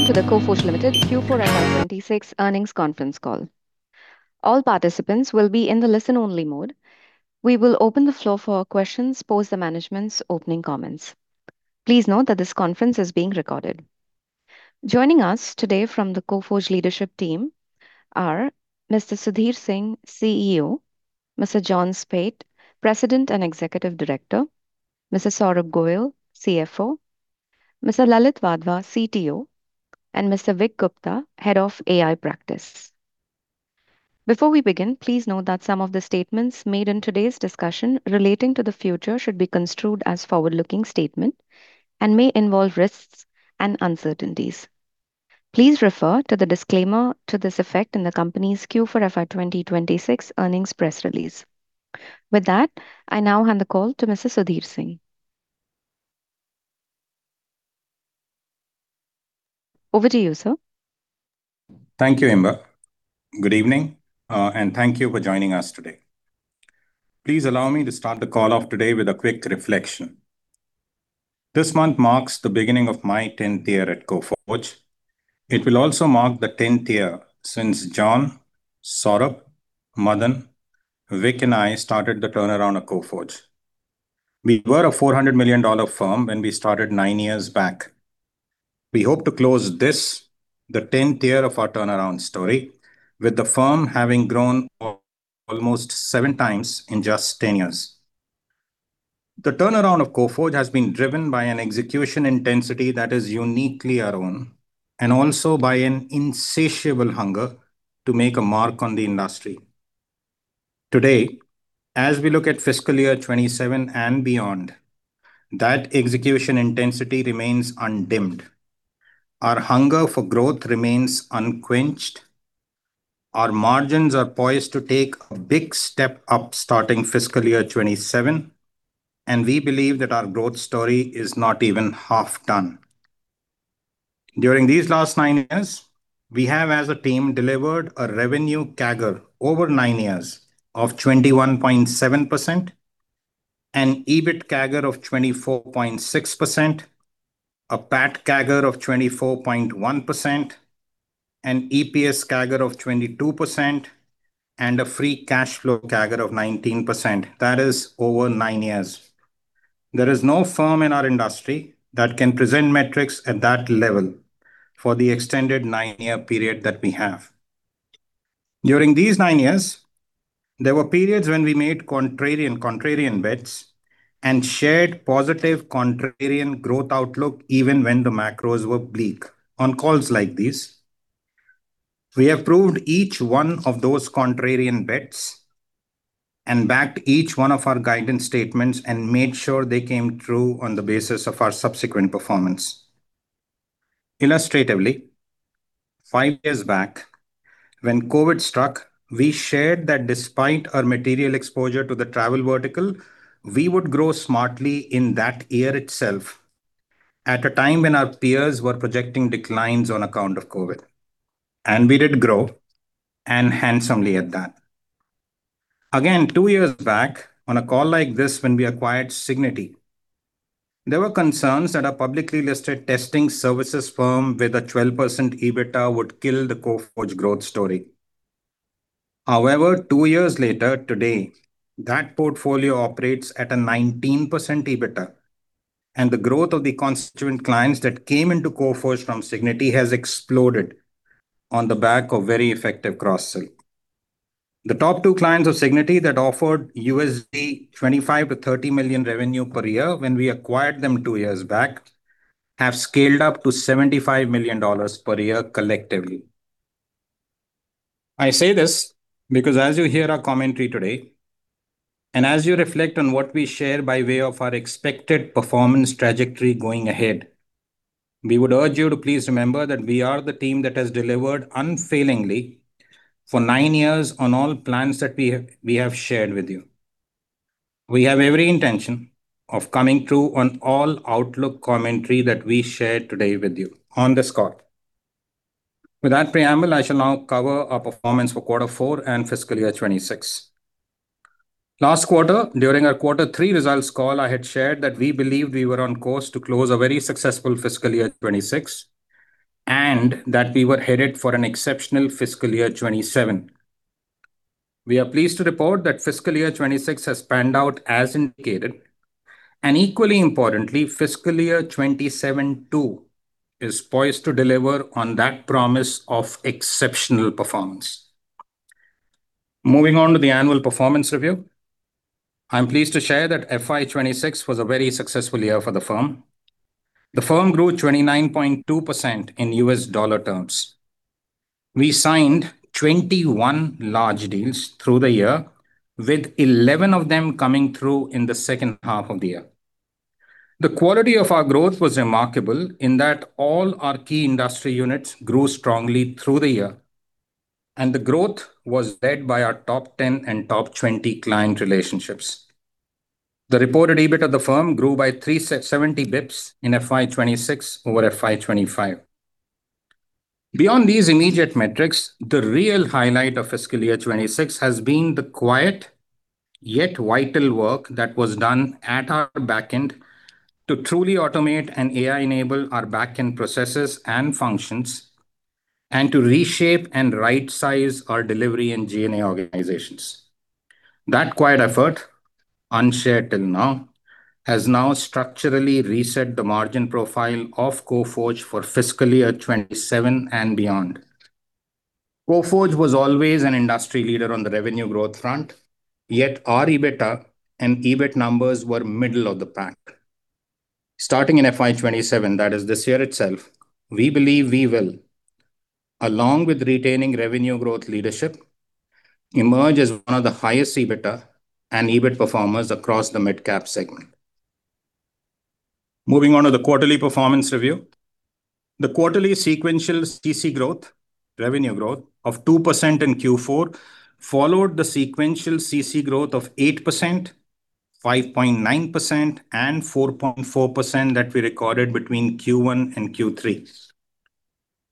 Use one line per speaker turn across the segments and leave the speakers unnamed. Welcome to the Coforge Limited Q4 FY 2026 earnings conference call. All participants will be in the listen-only mode. We will open the floor for questions post the management's opening comments. Please note that this conference is being recorded. Joining us today from the Coforge Leadership Team are Mr. Sudhir Singh, CEO; Mr. John Speight, President and Executive Director; Mr. Saurabh Goel, CFO; Mr. Lalit Wadhwa, CTO, and Mr. Vic Gupta, Head of AI Practice. Before we begin, please note that some of the statements made in today's discussion relating to the future should be construed as forward-looking statement and may involve risks and uncertainties. Please refer to the disclaimer to this effect in the company's Q4 FY 2026 earnings press release. With that, I now hand the call to Mr. Sudhir Singh. Over to you, sir.
Thank you, Emma. Good evening, and thank you for joining us today. Please allow me to start the call off today with a quick reflection. This month marks the beginning of my 10th year at Coforge. It will also mark the 10th year since John, Saurabh, Madan, Vic, and I started the turnaround of Coforge. We were a $400 million firm when we started nine years back. We hope to close this, the 10th year of our turnaround story, with the firm having grown almost 7x in just 10 years. The turnaround of Coforge has been driven by an execution intensity that is uniquely our own, and also by an insatiable hunger to make a mark on the industry. Today, as we look at fiscal year 2027 and beyond, that execution intensity remains undimmed. Our hunger for growth remains unquenched. Our margins are poised to take a big step up starting fiscal year 2027. We believe that our growth story is not even half done. During these last nine years, we have, as a team, delivered a revenue CAGR over nine years of 21.7%, an EBIT CAGR of 24.6%, a PAT CAGR of 24.1%, an EPS CAGR of 22%, and a free cash flow CAGR of 19%. That is over nine years. There is no firm in our industry that can present metrics at that level for the extended nine-year period that we have. During these nine years, there were periods when we made contrarian bets and shared positive contrarian growth outlook even when the macros were bleak on calls like these. We have proved each one of those contrarian bets and backed each one of our guidance statements and made sure they came through on the basis of our subsequent performance. Illustratively, five years back when COVID struck, we shared that despite our material exposure to the travel vertical, we would grow smartly in that year itself at a time when our peers were projecting declines on account of COVID. We did grow, and handsomely at that. Again, two years back on a call like this when we acquired Cigniti, there were concerns that a publicly listed testing services firm with a 12% EBITDA would kill the Coforge growth story. Two years later today, that portfolio operates at a 19% EBITDA, and the growth of the constituent clients that came into Coforge from Cigniti has exploded on the back of very effective cross-sell. The top two clients of Cigniti that offered $25 million-$30 million revenue per year when we acquired them two years back have scaled up to $75 million per year collectively. I say this because as you hear our commentary today, and as you reflect on what we share by way of our expected performance trajectory going ahead, we would urge you to please remember that we are the team that has delivered unfailingly for nine years on all plans that we have shared with you. We have every intention of coming through on all outlook commentary that we share today with you on this call. With that preamble, I shall now cover our performance for quarter four and fiscal year 2026. Last quarter, during our quarter three results call, I had shared that we believed we were on course to close a very successful fiscal year 2026 and that we were headed for an exceptional fiscal year 2027. We are pleased to report that fiscal year 2026 has panned out as indicated. Equally importantly, fiscal year 2027 too is poised to deliver on that promise of exceptional performance. Moving on to the annual performance review. I'm pleased to share that FY 2026 was a very successful year for the firm. The firm grew 29.2% in U.S. dollar terms. We signed 21 large deals through the year, with 11 of them coming through in the second half of the year. The quality of our growth was remarkable in that all our key industry units grew strongly through the year, and the growth was led by our top 10 and top 20 client relationships. The reported EBIT of the firm grew by 370 basis points in FY 2026 over FY 2025. Beyond these immediate metrics, the real highlight of fiscal year 2026 has been the quiet yet vital work that was done at our back end to truly automate and AI-enable our back-end processes and functions and to reshape and right size our delivery and G&A organizations. That quiet effort, unshared till now, has now structurally reset the margin profile of Coforge for fiscal year 2027 and beyond. Coforge was always an industry leader on the revenue growth front, yet our EBITDA and EBIT numbers were middle of the pack. Starting in FY 2027, that is this year itself, we believe we will, along with retaining revenue growth leadership, emerge as one of the highest EBITDA and EBIT performers across the midcap segment. Moving on to the quarterly performance review. The quarterly sequential CC growth, revenue growth of 2% in Q4 followed the sequential CC growth of 8%, 5.9%, and 4.4% that we recorded between Q1 and Q3.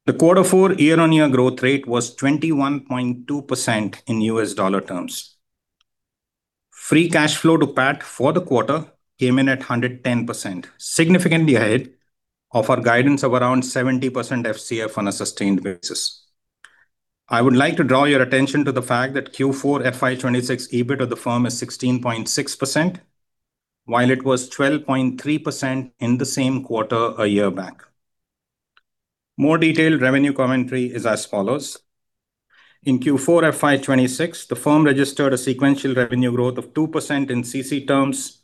The quarter four year-on-year growth rate was 21.2% in U.S. dollar terms. Free cash flow to PAT for the quarter came in at 110%, significantly ahead of our guidance of around 70% FCF on a sustained basis. I would like to draw your attention to the fact that Q4 FY 2026 EBIT of the firm is 16.6%, while it was 12.3% in the same quarter a year back. More detailed revenue commentary is as follows. In Q4 FY 2026, the firm registered a sequential revenue growth of 2% in CC terms,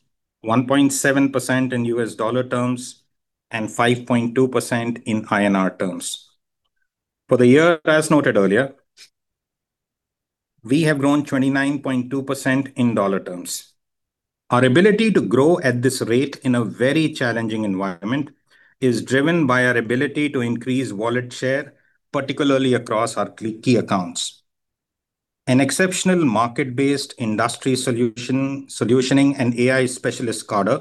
1.7% in U.S. dollar terms, and 5.2% in INR terms. For the year, as noted earlier, we have grown 29.2% in dollar terms. Our ability to grow at this rate in a very challenging environment is driven by our ability to increase wallet share, particularly across our key accounts. An exceptional market-based industry solutioning and AI specialist cadre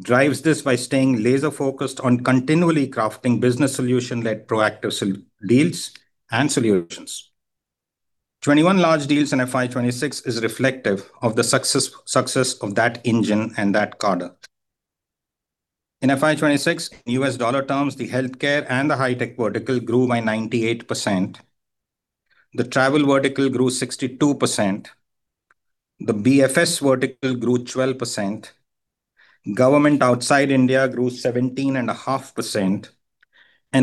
drives this by staying laser-focused on continually crafting business solution-led proactive deals and solutions. 21 large deals in FY 2026 is reflective of the success of that engine and that cadre. In FY 2026, U.S. dollar terms, the healthcare and the high-tech vertical grew by 98%. The travel vertical grew 62%. The BFS vertical grew 12%. Government outside India grew 17.5%.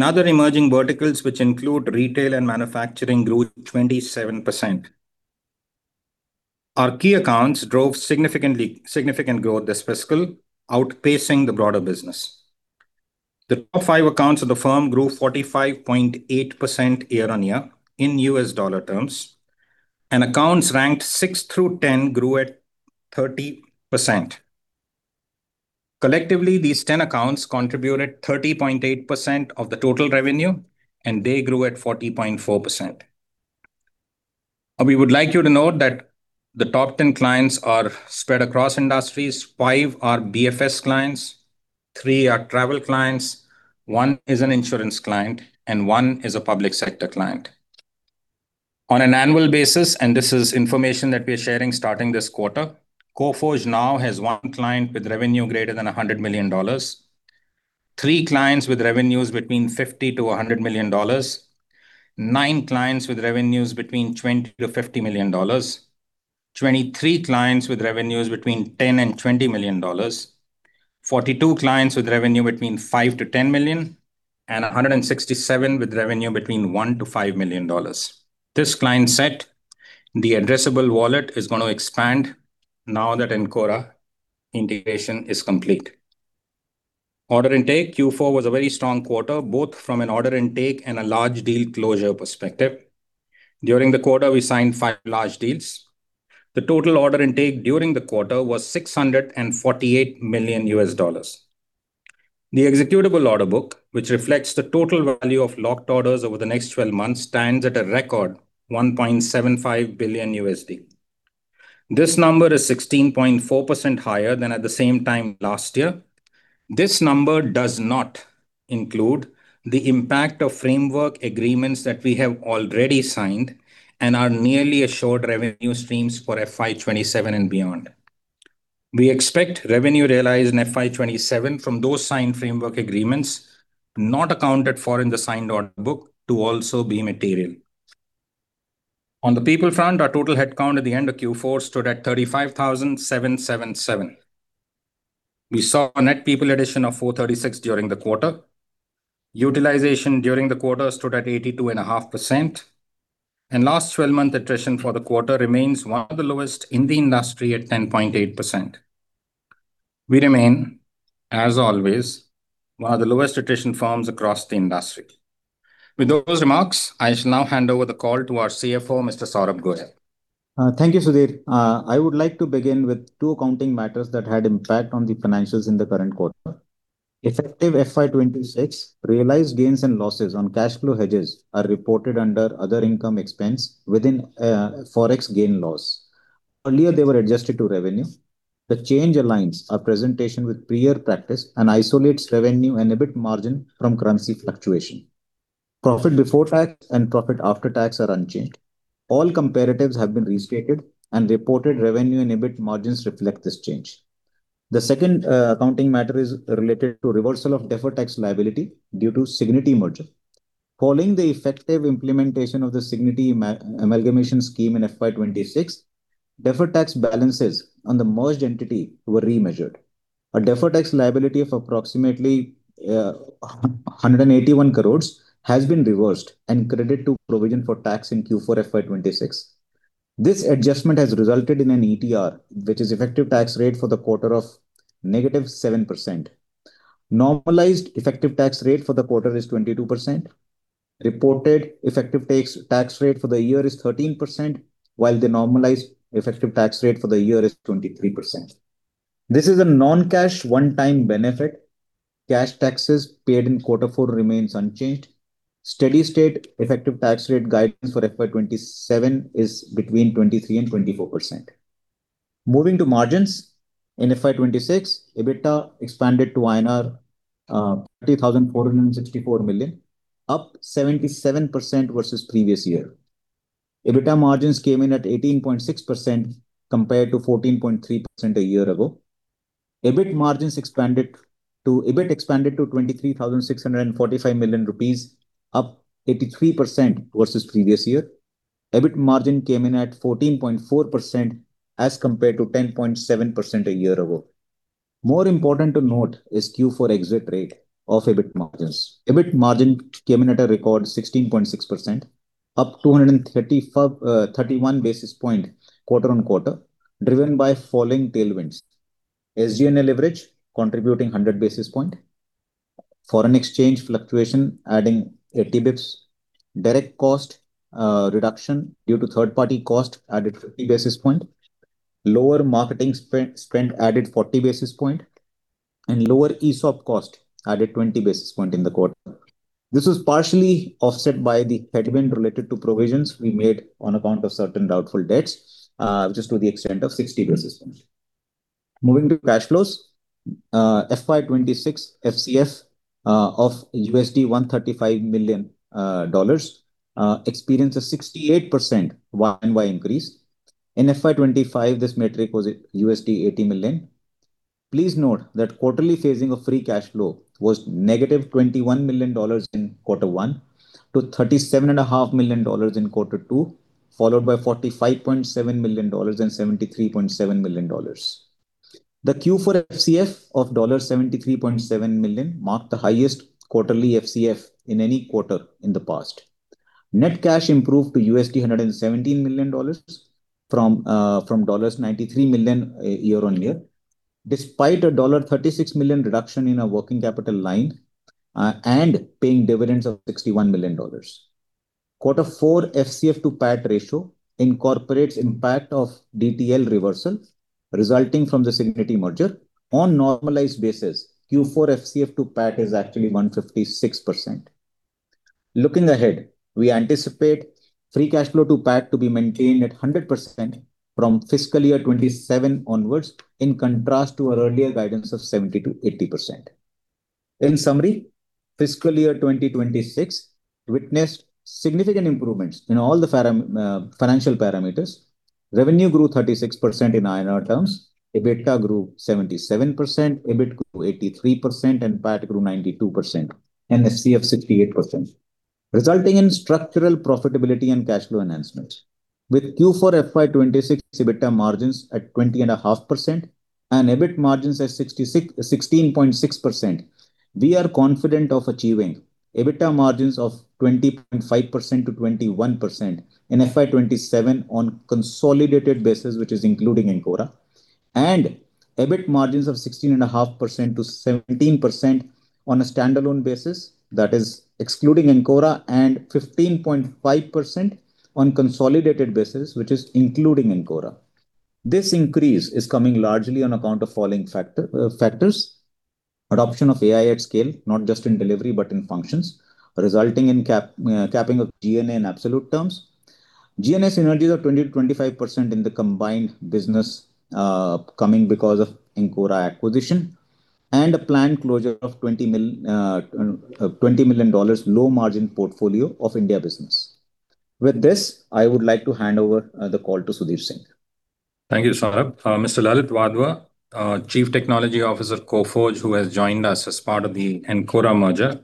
Other emerging verticals, which include retail and manufacturing, grew 27%. Our key accounts drove significant growth this fiscal, outpacing the broader business. The top five accounts of the firm grew 45.8% year-over-year in U.S. dollar terms, and accounts ranked six through 10 grew at 30%. Collectively, these 10 accounts contributed 30.8% of the total revenue, and they grew at 40.4%. We would like you to note that the top 10 clients are spread across industries. Five are BFS clients, three are travel clients, one is an insurance client, and one is a public sector client. On an annual basis, and this is information that we're sharing starting this quarter, Coforge now has one client with revenue greater than $100 million, three clients with revenues between $50 million-$100 million, nine clients with revenues between $20 million-$50 million, 23 clients with revenues between $10 million and $20 million, 42 clients with revenue between $5 million-$10 million, and 167 with revenue between $1 million-$5 million. This client set, the addressable wallet, is gonna expand now that Encora integration is complete. Order intake. Q4 was a very strong quarter, both from an order intake and a large deal closure perspective. During the quarter, we signed five large deals. The total order intake during the quarter was $648 million. The executable order book, which reflects the total value of locked orders over the next 12 months, stands at a record $1.75 billion. This number is 16.4% higher than at the same time last year. This number does not include the impact of framework agreements that we have already signed and are nearly assured revenue streams for FY 2027 and beyond. We expect revenue realized in FY 2027 from those signed framework agreements not accounted for in the signed order book to also be material. On the people front, our total headcount at the end of Q4 stood at 35,777. We saw a net people addition of 436 during the quarter. Utilization during the quarter stood at 82.5%. Last 12-month attrition for the quarter remains one of the lowest in the industry at 10.8%. We remain, as always, one of the lowest attrition firms across the industry. With those remarks, I shall now hand over the call to our CFO, Mr. Saurabh Goel.
Thank you, Sudhir. I would like to begin with two accounting matters that had impact on the financials in the current quarter. Effective FY 2026, realized gains and losses on cash flow hedges are reported under other income expense within Forex gain loss. Earlier, they were adjusted to revenue. The change aligns our presentation with prior practice and isolates revenue and EBIT margin from currency fluctuation. Profit before tax and profit after tax are unchanged. All comparatives have been restated and reported revenue and EBIT margins reflect this change. The second accounting matter is related to reversal of deferred tax liability due to Cigniti merger. Following the effective implementation of the Cigniti amalgamation scheme in FY 2026, deferred tax balances on the merged entity were remeasured. A deferred tax liability of approximately 181 crores has been reversed and credit to provision for tax in Q4 FY 2026. This adjustment has resulted in an ETR, which is effective tax rate for the quarter of -7%. Normalized effective tax rate for the quarter is 22%. Reported effective tax rate for the year is 13%, while the normalized effective tax rate for the year is 23%. This is a non-cash one-time benefit. Cash taxes paid in quarter four remains unchanged. Steady-state effective tax rate guidance for FY 2027 is between 23% and 24%. Moving to margins. In FY 2026, EBITDA expanded to INR 30,464 million, up 77% versus previous year. EBITDA margins came in at 18.6% compared to 14.3% a year ago. EBIT expanded to 23,645 million rupees, up 83% versus previous year. EBIT margin came in at 14.4% as compared to 10.7% a year ago. More important to note is Q4 exit rate of EBIT margins. EBIT margin came in at a record 16.6%, up 231 basis points quarter on quarter, driven by falling tailwinds. SG&A leverage contributing 100 basis points. Foreign exchange fluctuation adding 80 basis points. Direct cost reduction due to third-party cost added 50 basis points. Lower marketing spend added 40 basis points, and lower ESOP cost added 20 basis points in the quarter. This was partially offset by the headwind related to provisions we made on account of certain doubtful debts, just to the extent of 60 basis points. Moving to cash flows. FY 2026 FCF of $135 million experienced a 68% Y-on-Y increase. In FY 2025, this metric was $80 million. Please note that quarterly phasing of free cash flow was -$21 million in quarter one to $37.5 million in quarter two, followed by $45.7 million and $73.7 million. The Q4 FCF of $73.7 million marked the highest quarterly FCF in any quarter in the past. Net cash improved to $117 million from $93 million year-on-year, despite a $36 million reduction in our working capital line and paying dividends of $61 million. Quarter four FCF to PAT ratio incorporates impact of DTL reversal resulting from the Cigniti merger. On normalized basis, Q4 FCF to PAT is actually 156%. Looking ahead, we anticipate free cash flow to PAT to be maintained at 100% from fiscal year 2027 onwards, in contrast to our earlier guidance of 70%-80%. In summary, fiscal year 2026 witnessed significant improvements in all the financial parameters. Revenue grew 36% in INR terms. EBITDA grew 77%, EBIT grew 83%, and PAT grew 92%, and FCF 68%, resulting in structural profitability and cash flow enhancements. With Q4 FY 2026 EBITDA margins at 20.5% and EBIT margins at 16.6%, we are confident of achieving EBITDA margins of 20.5%-21% in FY 2027 on consolidated basis, which is including Encora, and EBIT margins of 16.5%-17% on a standalone basis, that is excluding Encora, and 15.5% on consolidated basis, which is including Encora. This increase is coming largely on account of falling factors. Adoption of AI at scale, not just in delivery, but in functions, resulting in capping of G&A in absolute terms. G&A synergies of 20%-25% in the combined business coming because of Encora acquisition and a planned closure of $20 million low margin portfolio of India business. With this, I would like to hand over the call to Sudhir Singh.
Thank you, Saurabh. Mr. Lalit Wadhwa, Chief Technology Officer of Coforge, who has joined us as part of the Encora merger,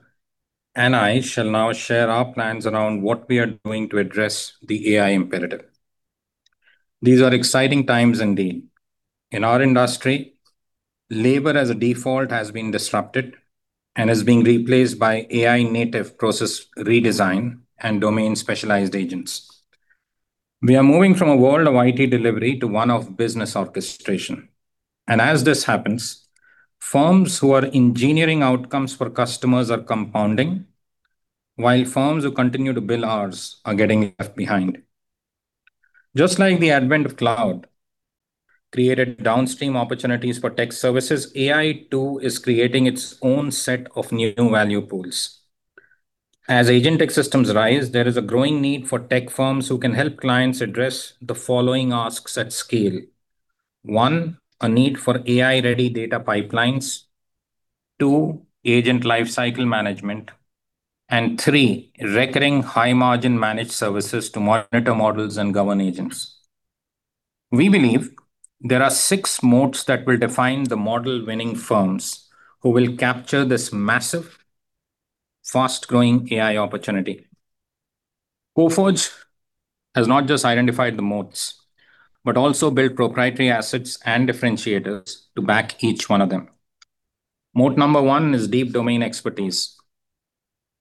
I shall now share our plans around what we are doing to address the AI imperative. These are exciting times indeed. In our industry, labor as a default has been disrupted and is being replaced by AI native process redesign and domain specialized agents. We are moving from a world of IT delivery to one of business orchestration. As this happens, firms who are engineering outcomes for customers are compounding, while firms who continue to bill hours are getting left behind. Just like the advent of cloud created downstream opportunities for tech services, AI too is creating its own set of new value pools. As agent ecosystems rise, there is a growing need for tech firms who can help clients address the following asks at scale. One, a need for AI-ready data pipelines. Two, agent lifecycle management. Three, recurring high-margin managed services to monitor models and govern agents. We believe there are six moats that will define the model-winning firms who will capture this massive, fast-growing AI opportunity. Coforge has not just identified the moats but also built proprietary assets and differentiators to back each one of them. Moat number one is deep domain expertise.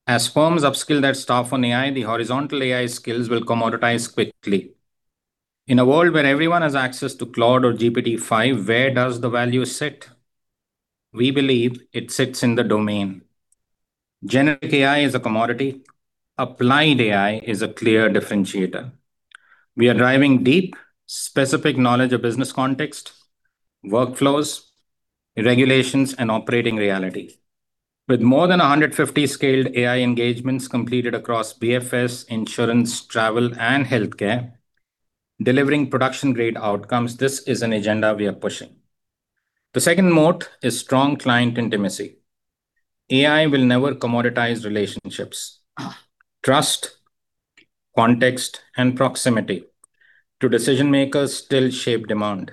As firms upskill their staff on AI, the horizontal AI skills will commoditize quickly. In a world where everyone has access to Claude or GPT-5, where does the value sit? We believe it sits in the domain. Generic AI is a commodity. Applied AI is a clear differentiator. We are driving deep, specific knowledge of business context, workflows, regulations, and operating reality. With more than 150 scaled AI engagements completed across BFS, insurance, travel, and healthcare, delivering production-grade outcomes, this is an agenda we are pushing. The second moat is strong client intimacy. AI will never commoditize relationships. Trust, context, and proximity to decision-makers still shape demand.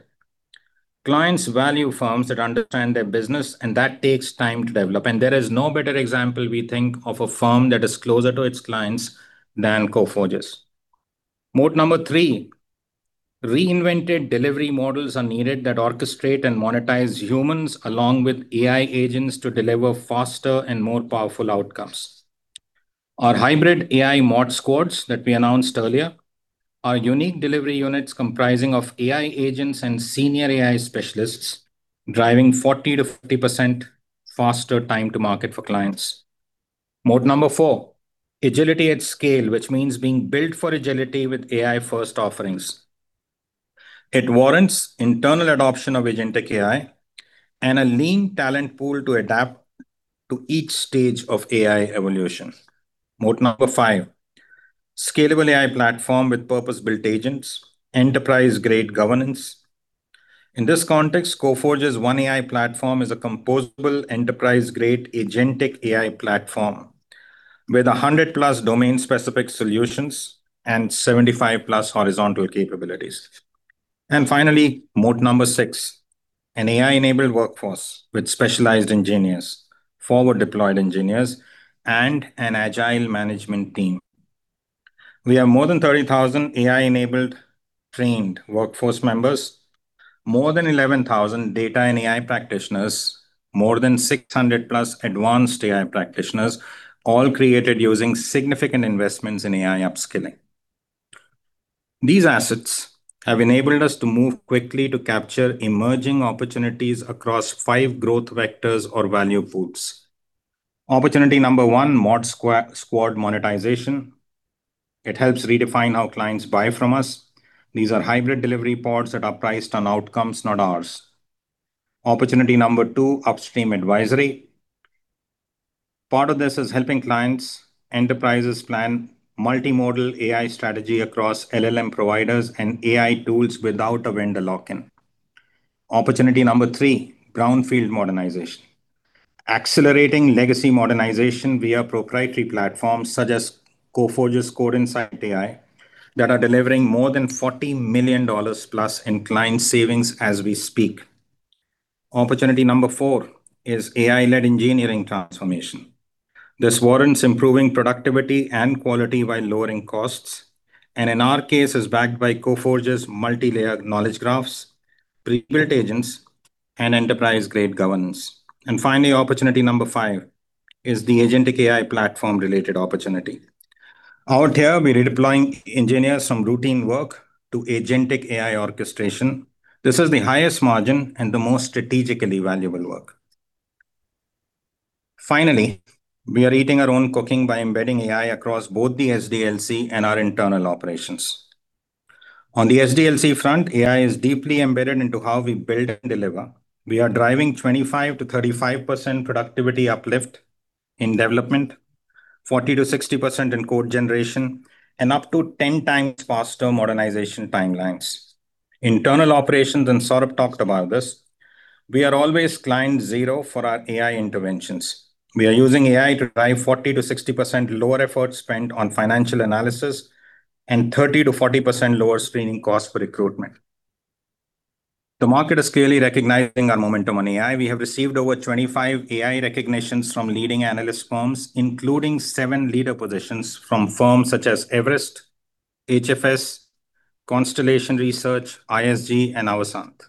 Clients value firms that understand their business, and that takes time to develop. There is no better example, we think, of a firm that is closer to its clients than Coforge is. Moat number three, reinvented delivery models are needed that orchestrate and monetize humans along with AI agents to deliver faster and more powerful outcomes. Our hybrid AI moat squads that we announced earlier are unique delivery units comprising of AI agents and senior AI specialists, driving 40%-50% faster time to market for clients. Moat number four, agility at scale, which means being built for agility with AI-first offerings. It warrants internal adoption of agentic AI and a lean talent pool to adapt to each stage of AI evolution. Moat number five, scalable AI platform with purpose-built agents, enterprise-grade governance. In this context, Coforge's OneAI platform is a composable enterprise-grade agentic AI platform with a 100+ domain-specific solutions and 75+ horizontal capabilities. Finally, moat number six, an AI-enabled workforce with specialized engineers, forward-deployed engineers, and an agile management team. We have more than 30,000 AI-enabled trained workforce members, more than 11,000 data and AI practitioners, more than 600+ advanced AI practitioners, all created using significant investments in AI upskilling. These assets have enabled us to move quickly to capture emerging opportunities across five growth vectors or value pools. Opportunity number one, moat squad monetization. It helps redefine how clients buy from us. These are hybrid delivery pods that are priced on outcomes, not hours. Opportunity number two, upstream advisory. Part of this is helping clients, enterprises plan multimodal AI strategy across LLM providers and AI tools without a vendor lock-in. Opportunity number three, brownfield modernization. Accelerating legacy modernization via proprietary platforms, such as Coforge's CodeInsightAI, that are delivering more than INR 40+ million in client savings as we speak. Opportunity number four is AI-led engineering transformation. This warrants improving productivity and quality while lowering costs, and in our case, is backed by Coforge's multi-layered knowledge graphs, pre-built agents, and enterprise-grade governance. Finally, opportunity number five is the agentic AI platform-related opportunity. Out here, we're deploying engineers from routine work to agentic AI orchestration. This is the highest margin and the most strategically valuable work. Finally, we are eating our own cooking by embedding AI across both the SDLC and our internal operations. On the SDLC front, AI is deeply embedded into how we build and deliver. We are driving 25%-35% productivity uplift in development, 40%-60% in code generation, and up to 10x faster modernization timelines. Internal operations, and Saurabh talked about this, we are always client zero for our AI interventions. We are using AI to drive 40%-60% lower effort spent on financial analysis and 30%-40% lower screening costs for recruitment. The market is clearly recognizing our momentum on AI. We have received over 25 AI recognitions from leading analyst firms, including seven leader positions from firms such as Everest, HFS, Constellation Research, ISG, and Avasant.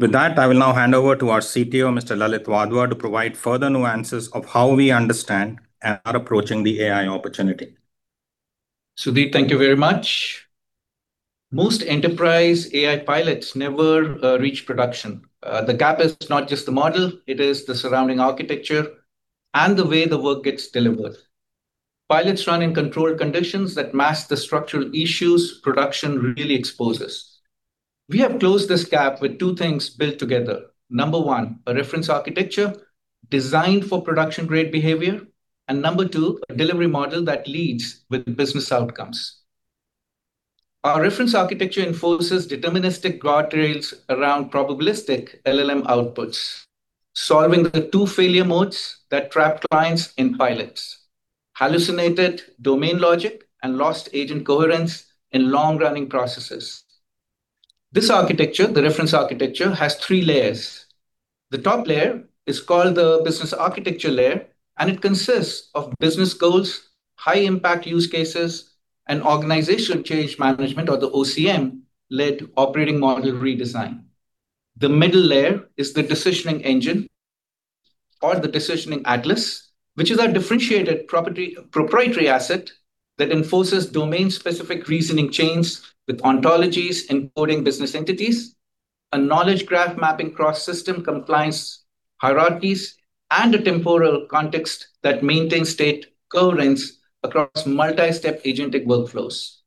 With that, I will now hand over to our CTO, Mr. Lalit Wadhwa, to provide further nuances of how we understand and are approaching the AI opportunity.
Sudhir, thank you very much. Most enterprise AI pilots never reach production. The gap is not just the model, it is the surrounding architecture and the way the work gets delivered. Pilots run in controlled conditions that mask the structural issues production really exposes. We have closed this gap with two things built together. Number one, a reference architecture designed for production-grade behavior. Number two, a delivery model that leads with business outcomes. Our reference architecture enforces deterministic guardrails around probabilistic LLM outputs, solving the two failure modes that trap clients in pilots: hallucinated domain logic and lost agent coherence in long-running processes. This architecture, the reference architecture, has three layers. The top layer is called the business architecture layer, and it consists of business goals, high-impact use cases, and organization change management, or the OCM, led operating model redesign. The middle layer is the decisioning engine, or the decisioning atlas, which is our differentiated proprietary asset that enforces domain-specific reasoning chains with ontologies encoding business entities, a knowledge graph mapping cross-system compliance hierarchies, and a temporal context that maintains state coherence across multi-step agentic workflows.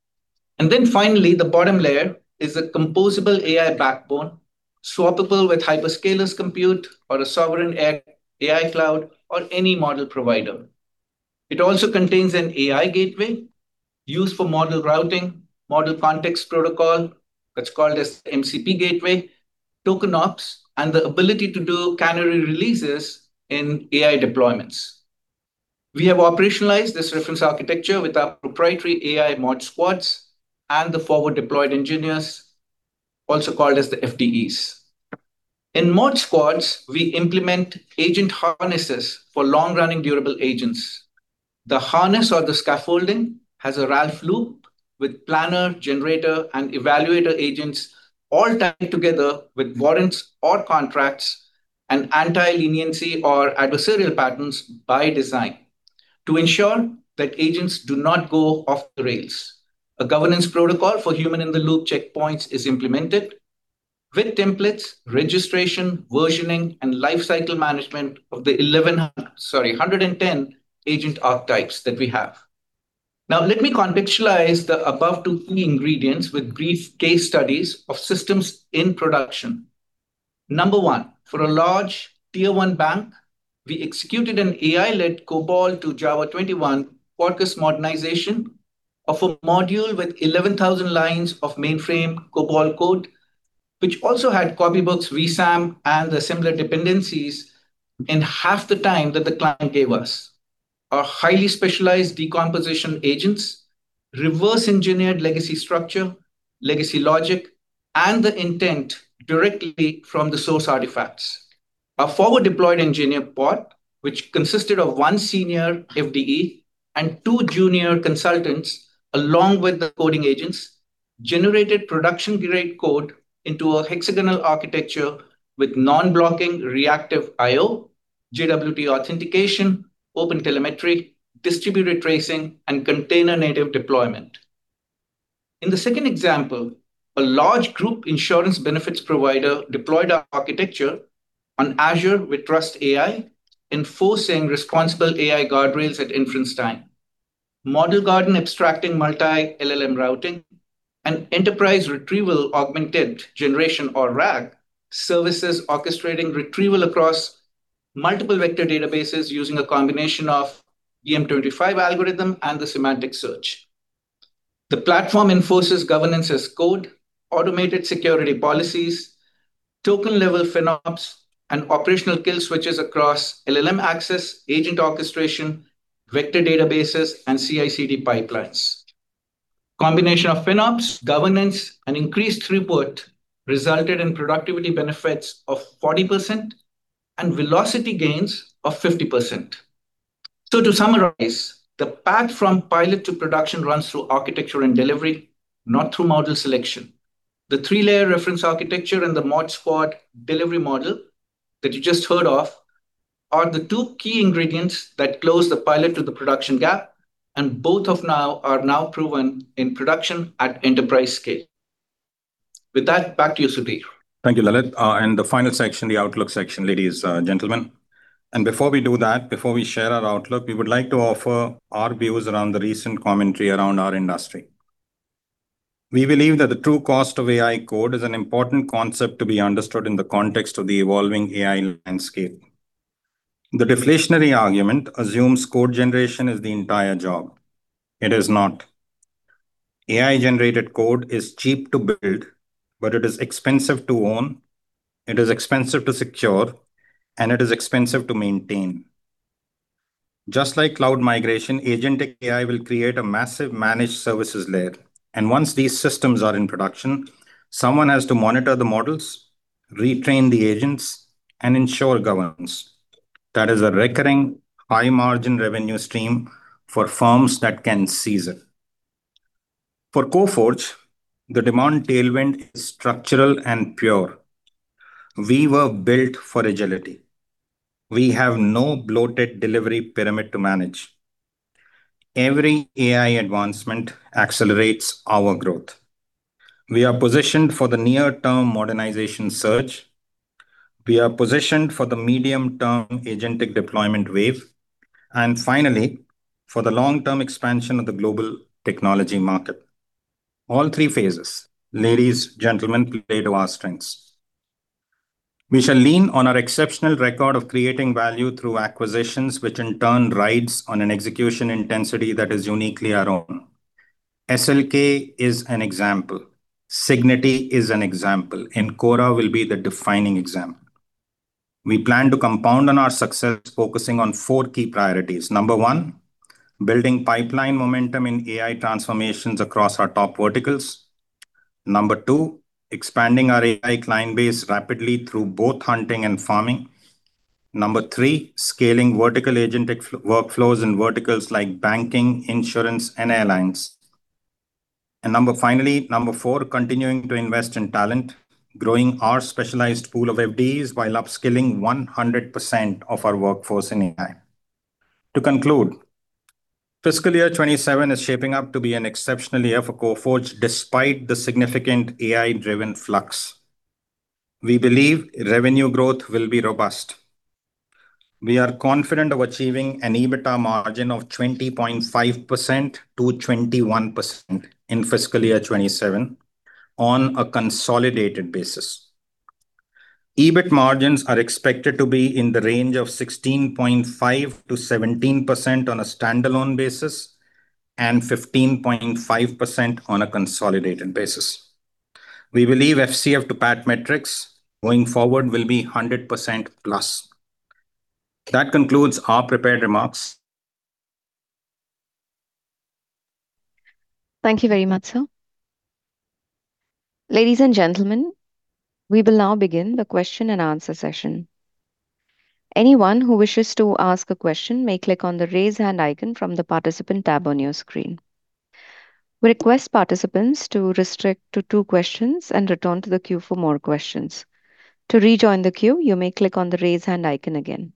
Finally, the bottom layer is a composable AI backbone, swappable with hyperscalers compute or a sovereign AI cloud or any model provider. It also contains an AI gateway used for model routing, model context protocol, that's called as MCP gateway, TokenOps, and the ability to do canary releases in AI deployments. We have operationalized this reference architecture with our proprietary AI Mod Squads and the forward deployed engineers, also called as the FDEs. In Mod Squads, we implement agent harnesses for long-running durable agents. The harness or the scaffolding has a Ralph loop with planner, generator, and evaluator agents all tied together with warrants or contracts and anti-leniency or adversarial patterns by design to ensure that agents do not go off the rails. A governance protocol for human-in-the-loop checkpoints is implemented with templates, registration, versioning, and lifecycle management of the 110 agent archetypes that we have. Now, let me contextualize the above two key ingredients with brief case studies of systems in production. Number one, for a large Tier 1 bank, we executed an AI-led COBOL to Java 21 focus modernization of a module with 11,000 lines of mainframe COBOL code, which also had copybooks, VSAM, and the similar dependencies in half the time that the client gave us. Our highly specialized decomposition agents reverse-engineered legacy structure, legacy logic, and the intent directly from the source artifacts. A forward deployed engineer pod, which consisted of one senior FDE and two junior consultants, along with the coding agents, generated production-grade code into a hexagonal architecture with non-blocking reactive IO, JWT authentication, OpenTelemetry, distributed tracing, and container-native deployment. In the second example, a large group insurance benefits provider deployed our architecture on Azure with TrustAI, enforcing responsible AI guardrails at inference time. Model Garden abstracting multi-LLM routing and enterprise retrieval-augmented generation, or RAG, services orchestrating retrieval across multiple vector databases using a combination of BM25 algorithm and the semantic search. The platform enforces governance as code, automated security policies, token-level FinOps, and operational kill switches across LLM access, agent orchestration, vector databases, and CI/CD pipelines. Combination of FinOps, governance, and increased throughput resulted in productivity benefits of 40% and velocity gains of 50%. To summarize, the path from pilot to production runs through architecture and delivery, not through model selection. The three-layer reference architecture and the Mod Squad delivery model that you just heard of are the two key ingredients that close the pilot to the production gap, and both of now are now proven in production at enterprise scale. With that, back to you, Sudhir.
Thank you, Lalit. The final section, the outlook section, ladies, gentlemen. Before we do that, before we share our outlook, we would like to offer our views around the recent commentary around our industry. We believe that the true cost of AI code is an important concept to be understood in the context of the evolving AI landscape. The deflationary argument assumes code generation is the entire job. It is not. AI-generated code is cheap to build, but it is expensive to own, it is expensive to secure, and it is expensive to maintain. Just like cloud migration, agentic AI will create a massive managed services layer. Once these systems are in production, someone has to monitor the models, retrain the agents, and ensure governance. That is a recurring high-margin revenue stream for firms that can seize it. For Coforge, the demand tailwind is structural and pure. We were built for agility. We have no bloated delivery pyramid to manage. Every AI advancement accelerates our growth. We are positioned for the near-term modernization surge. We are positioned for the medium-term agentic deployment wave. Finally, for the long-term expansion of the global technology market. All three phases, ladies, gentlemen, play to our strengths. We shall lean on our exceptional record of creating value through acquisitions, which in turn rides on an execution intensity that is uniquely our own. SLK is an example. Cigniti is an example. Encora will be the defining example. We plan to compound on our success focusing on four key priorities. Number one, building pipeline momentum in AI transformations across our top verticals. Number two, expanding our AI client base rapidly through both hunting and farming. Number three, scaling vertical agentic workflows in verticals like banking, insurance, and airlines. Finally, number four, continuing to invest in talent, growing our specialized pool of FDEs while upskilling 100% of our workforce in AI. To conclude, fiscal year 2027 is shaping up to be an exceptional year for Coforge despite the significant AI-driven flux. We believe revenue growth will be robust. We are confident of achieving an EBITDA margin of 20.5%-21% in fiscal year 2027 on a consolidated basis. EBIT margins are expected to be in the range of 16.5%-17% on a standalone basis and 15.5% on a consolidated basis. We believe FCF to PAT metrics going forward will be 100%+. That concludes our prepared remarks.
Thank you very much, sir. Ladies and gentlemen, we will now begin the question and answer session. Anyone who wishes to ask a question may click on the Raise Hand icon from the Participant tab on your screen. We request participants to restrict to two questions and return to the queue for more questions. To rejoin the queue, you may click on the Raise Hand icon again.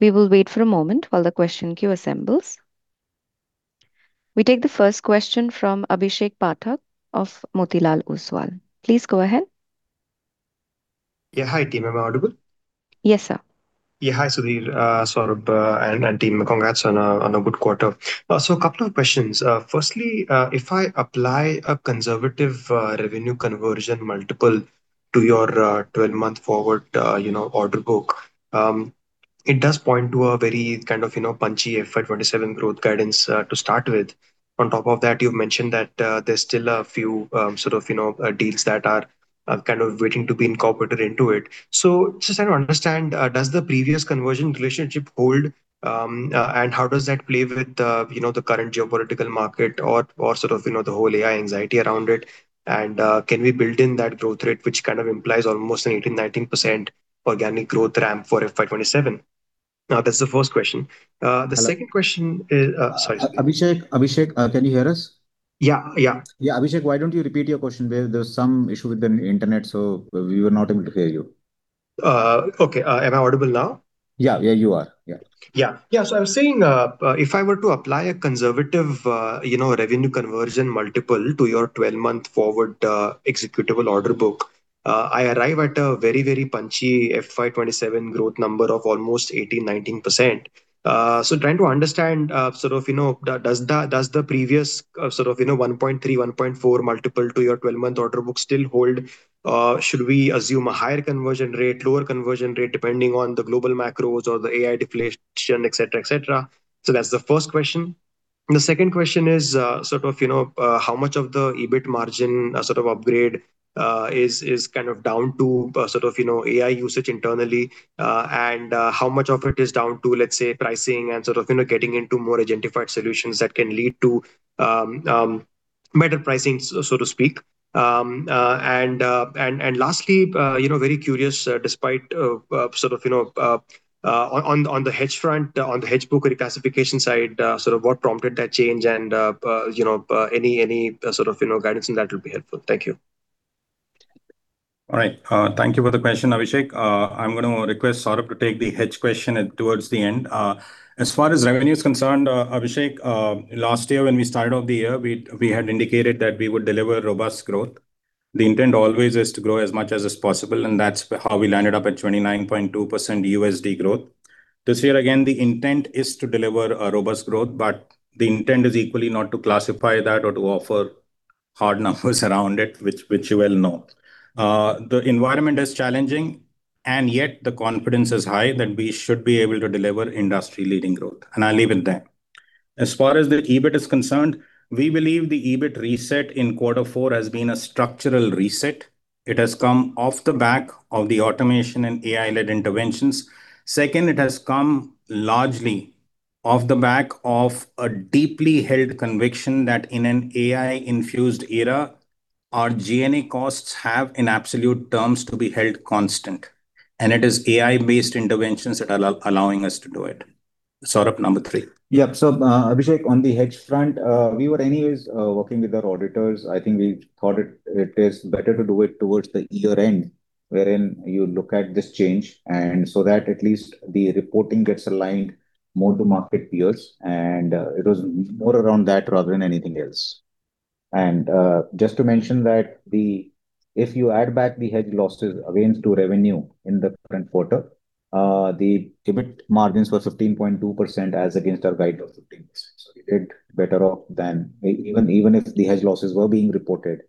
We will wait for a moment while the question queue assembles. We take the first question from Abhishek Pathak of Motilal Oswal. Please go ahead.
Yeah, hi, team. Am I audible?
Yes, sir.
Hi, Sudhir. Saurabh, and team. Congrats on a good quarter. A couple of questions. Firstly, if I apply a conservative revenue conversion multiple to your 12-month forward, you know, order book, it does point to a very kind of, you know, punchy FY 2027 growth guidance to start with. On top of that, you've mentioned that there's still a few sort of, you know, deals that are kind of waiting to be incorporated into it. Just trying to understand, does the previous conversion relationship hold? How does that play with, you know, the current geopolitical market or sort of, you know, the whole AI anxiety around it? Can we build in that growth rate which kind of implies almost an 18%-19% organic growth ramp for FY 2027? That's the first question. The second question is.
Hello?
Sorry.
Abhishek? Abhishek, can you hear us?
Yeah, yeah.
Yeah, Abhishek, why don't you repeat your question? There was some issue with the internet. We were not able to hear you.
Okay. Am I audible now?
Yeah. Yeah, you are. Yeah.
I'm saying, if I were to apply a conservative, you know, revenue conversion multiple to your 12-month forward, executable order book, I arrive at a very, very punchy FY 2027 growth number of almost 18-19%. Trying to understand, sort of, you know, does the previous, sort of, you know, 1.3x-1.4x multiple to your 12-month order book still hold? Should we assume a higher conversion rate, lower conversion rate, depending on the global macros or the AI deflation, et cetera, et cetera? That's the first question. The second question is, sort of, you know, how much of the EBIT margin, sort of upgrade, is kind of down to, sort of, you know, AI usage internally? How much of it is down to, let's say, pricing and sort of, you know, getting into more agentified solutions that can lead to better pricing, so to speak? Lastly, you know, very curious, despite, sort of, you know, on the hedge front, on the hedge book reclassification side, sort of what prompted that change and, you know, any sort of, you know, guidance in that would be helpful. Thank you.
All right. Thank you for the question, Abhishek. I'm gonna request Saurabh to take the hedge question at towards the end. As far as revenue is concerned, Abhishek, last year when we started off the year, we had indicated that we would deliver robust growth. The intent always is to grow as much as is possible, and that's how we landed up at 29.2% USD growth. This year, again, the intent is to deliver a robust growth, but the intent is equally not to classify that or to offer hard numbers around it, which you well know. The environment is challenging, and yet the confidence is high that we should be able to deliver industry-leading growth. I'll leave it there. As far as the EBIT is concerned, we believe the EBIT reset in quarter four has been a structural reset. It has come off the back of the automation and AI-led interventions. Second, it has come largely off the back of a deeply held conviction that in an AI-infused era, our G&A costs have, in absolute terms, to be held constant, and it is AI-based interventions that are allowing us to do it. Saurabh, number three.
Yeah. Abhishek, on the hedge front, we were anyways working with our auditors. I think we thought it is better to do it towards the year-end, wherein you look at this change so that at least the reporting gets aligned more to market peers. It was more around that rather than anything else. Just to mention that the If you add back the hedge losses against to revenue in the current quarter, the EBIT margins were 15.2% as against our guide of 15%. We did better off than even if the hedge losses were being reported,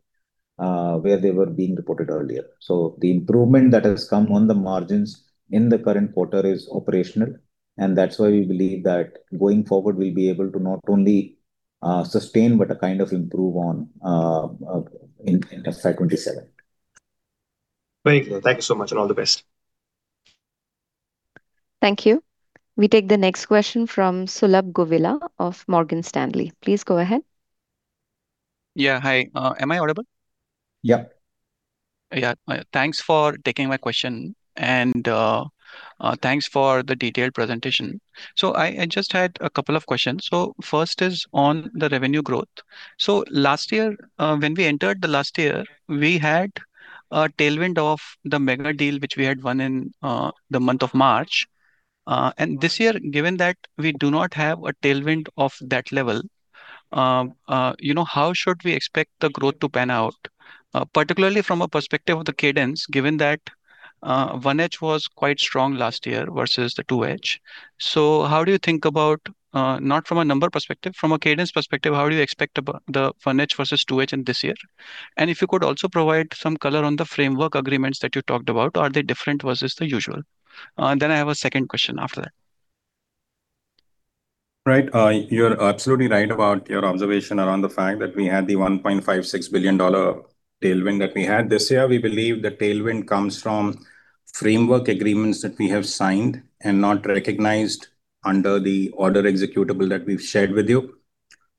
where they were being reported earlier. The improvement that has come on the margins in the current quarter is operational, and that's why we believe that going forward we'll be able to not only sustain, but to kind of improve on in FY 2027.
Very clear. Thank you so much, and all the best.
Thank you. We take the next question from Sulabh Govila of Morgan Stanley. Please go ahead.
Yeah. Hi. Am I audible?
Yeah.
Yeah. Thanks for taking my question, and thanks for the detailed presentation. I just had a couple of questions. First is on the revenue growth. Last year, when we entered the last year, we had a tailwind of the mega deal which we had won in the month of March. This year, given that we do not have a tailwind of that level, you know, how should we expect the growth to pan out, particularly from a perspective of the cadence, given that 1H was quite strong last year versus the 2H. How do you think about, not from a number perspective, from a cadence perspective, how do you expect the 1H versus 2H in this year? If you could also provide some color on the framework agreements that you talked about. Are they different versus the usual? I have a second question after that.
Right. You're absolutely right about your observation around the fact that we had the $1.56 billion tailwind that we had. This year we believe the tailwind comes from framework agreements that we have signed and not recognized under the order executable that we've shared with you.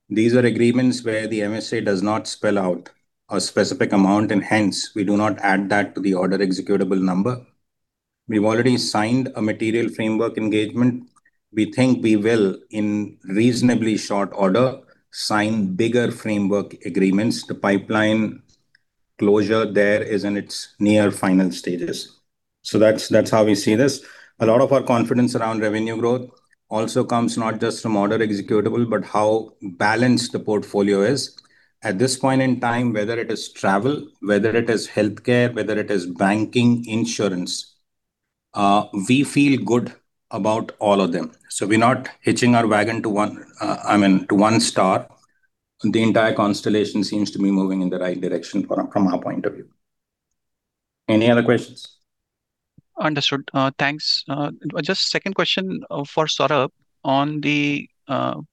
These are agreements where the MSA does not spell out a specific amount, and hence we do not add that to the order executable number. We've already signed a material framework engagement. We think we will, in reasonably short order, sign bigger framework agreements. The pipeline closure there is in its near final stages. That's how we see this. A lot of our confidence around revenue growth also comes not just from order executable, but how balanced the portfolio is. At this point in time, whether it is travel, whether it is healthcare, whether it is banking, insurance, we feel good about all of them. We're not hitching our wagon to one, I mean, to one star. The entire constellation seems to be moving in the right direction from our point of view. Any other questions?
Understood. Thanks. Just second question for Saurabh on the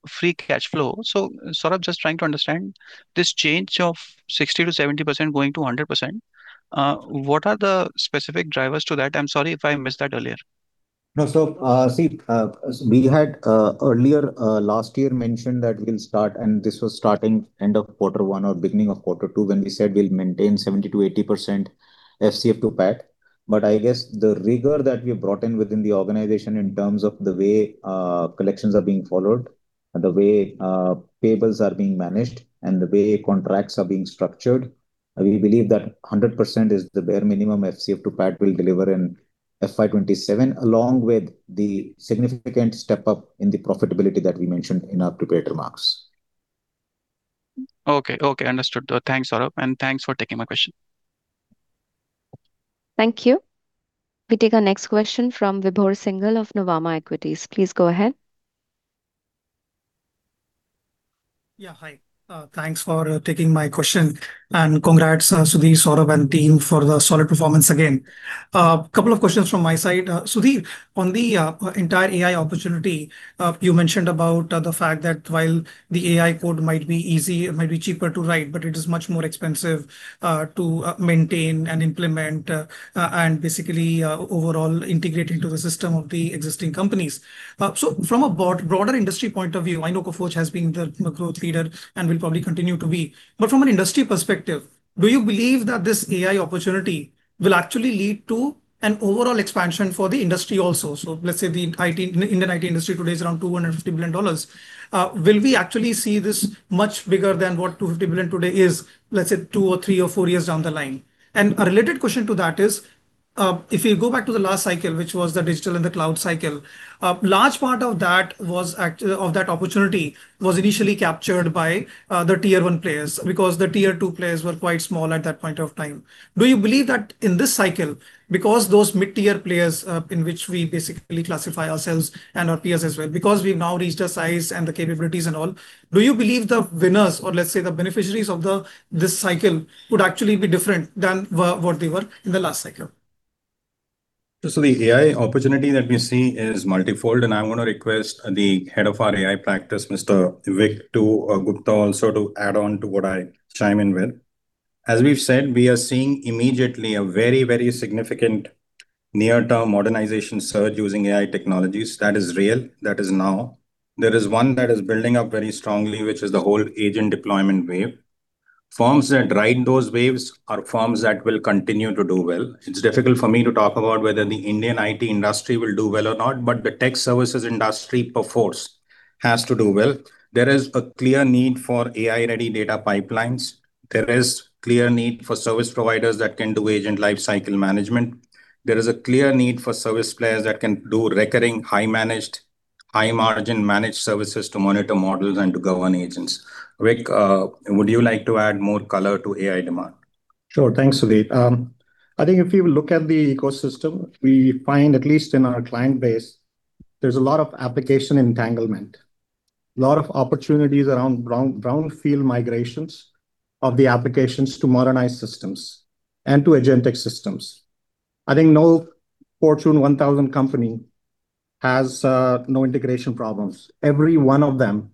free cash flow. Saurabh, just trying to understand this change of 60%-70% going to 100%, what are the specific drivers to that? I'm sorry if I missed that earlier.
No. We had earlier last year mentioned that we'll start. This was starting end of quarter one or beginning of quarter two when we said we'll maintain 70%-80% FCF to PAT. I guess the rigor that we have brought in within the organization in terms of the way collections are being followed and the way payables are being managed and the way contracts are being structured, we believe that 100% is the bare minimum FCF to PAT we'll deliver in FY 2027, along with the significant step up in the profitability that we mentioned in our prepared remarks.
Okay. Okay. Understood. Thanks, Saurabh, and thanks for taking my question.
Thank you. We take our next question from Vibhor Singhal of Nuvama Equities. Please go ahead.
Yeah, hi. Thanks for taking my question. Congrats, Sudhir, Saurabh, and team for the solid performance again. Couple of questions from my side. Sudhir, on the entire AI opportunity, you mentioned about the fact that while the AI code might be easy, it might be cheaper to write, but it is much more expensive to maintain and implement, and basically, overall integrate into the system of the existing companies. From a broad, broader industry point of view, I know Coforge has been the growth leader and will probably continue to be, but from an industry perspective, do you believe that this AI opportunity will actually lead to an overall expansion for the industry also? Let's say the IT, the Indian IT industry today is around $250 billion. Will we actually see this much bigger than what $250 billion today is, let's say, two or three or four years down the line? A related question to that is, if you go back to the last cycle, which was the digital and the cloud cycle, a large part of that opportunity was initially captured by the Tier 1 players because the Tier 2 players were quite small at that point of time. Do you believe that in this cycle, because those mid-tier players, in which we basically classify ourselves and our peers as well, because we've now reached a size and the capabilities and all, do you believe the winners or let's say the beneficiaries of this cycle could actually be different than what they were in the last cycle?
The AI opportunity that we see is multifold, and I'm going to request the head of our AI practice, Mr. Vic Gupta also to add on to what I chime in with. As we've said, we are seeing immediately a very, very significant near-term modernization surge using AI technologies. That is real. That is now. There is one that is building up very strongly, which is the whole agent deployment wave. Firms that ride those waves are firms that will continue to do well. It's difficult for me to talk about whether the Indian IT industry will do well or not, but the tech services industry perforce has to do well. There is a clear need for AI-ready data pipelines. There is clear need for service providers that can do agent lifecycle management. There is a clear need for service players that can do recurring high margin managed services to monitor models and to govern agents. Vic, would you like to add more color to AI demand?
Sure. Thanks, Sudhir. I think if you look at the ecosystem, we find, at least in our client base, there's a lot of application entanglement. Lot of opportunities around brownfield migrations of the applications to modernized systems and to agentic systems. I think no Fortune 1000 company has no integration problems. Every one of them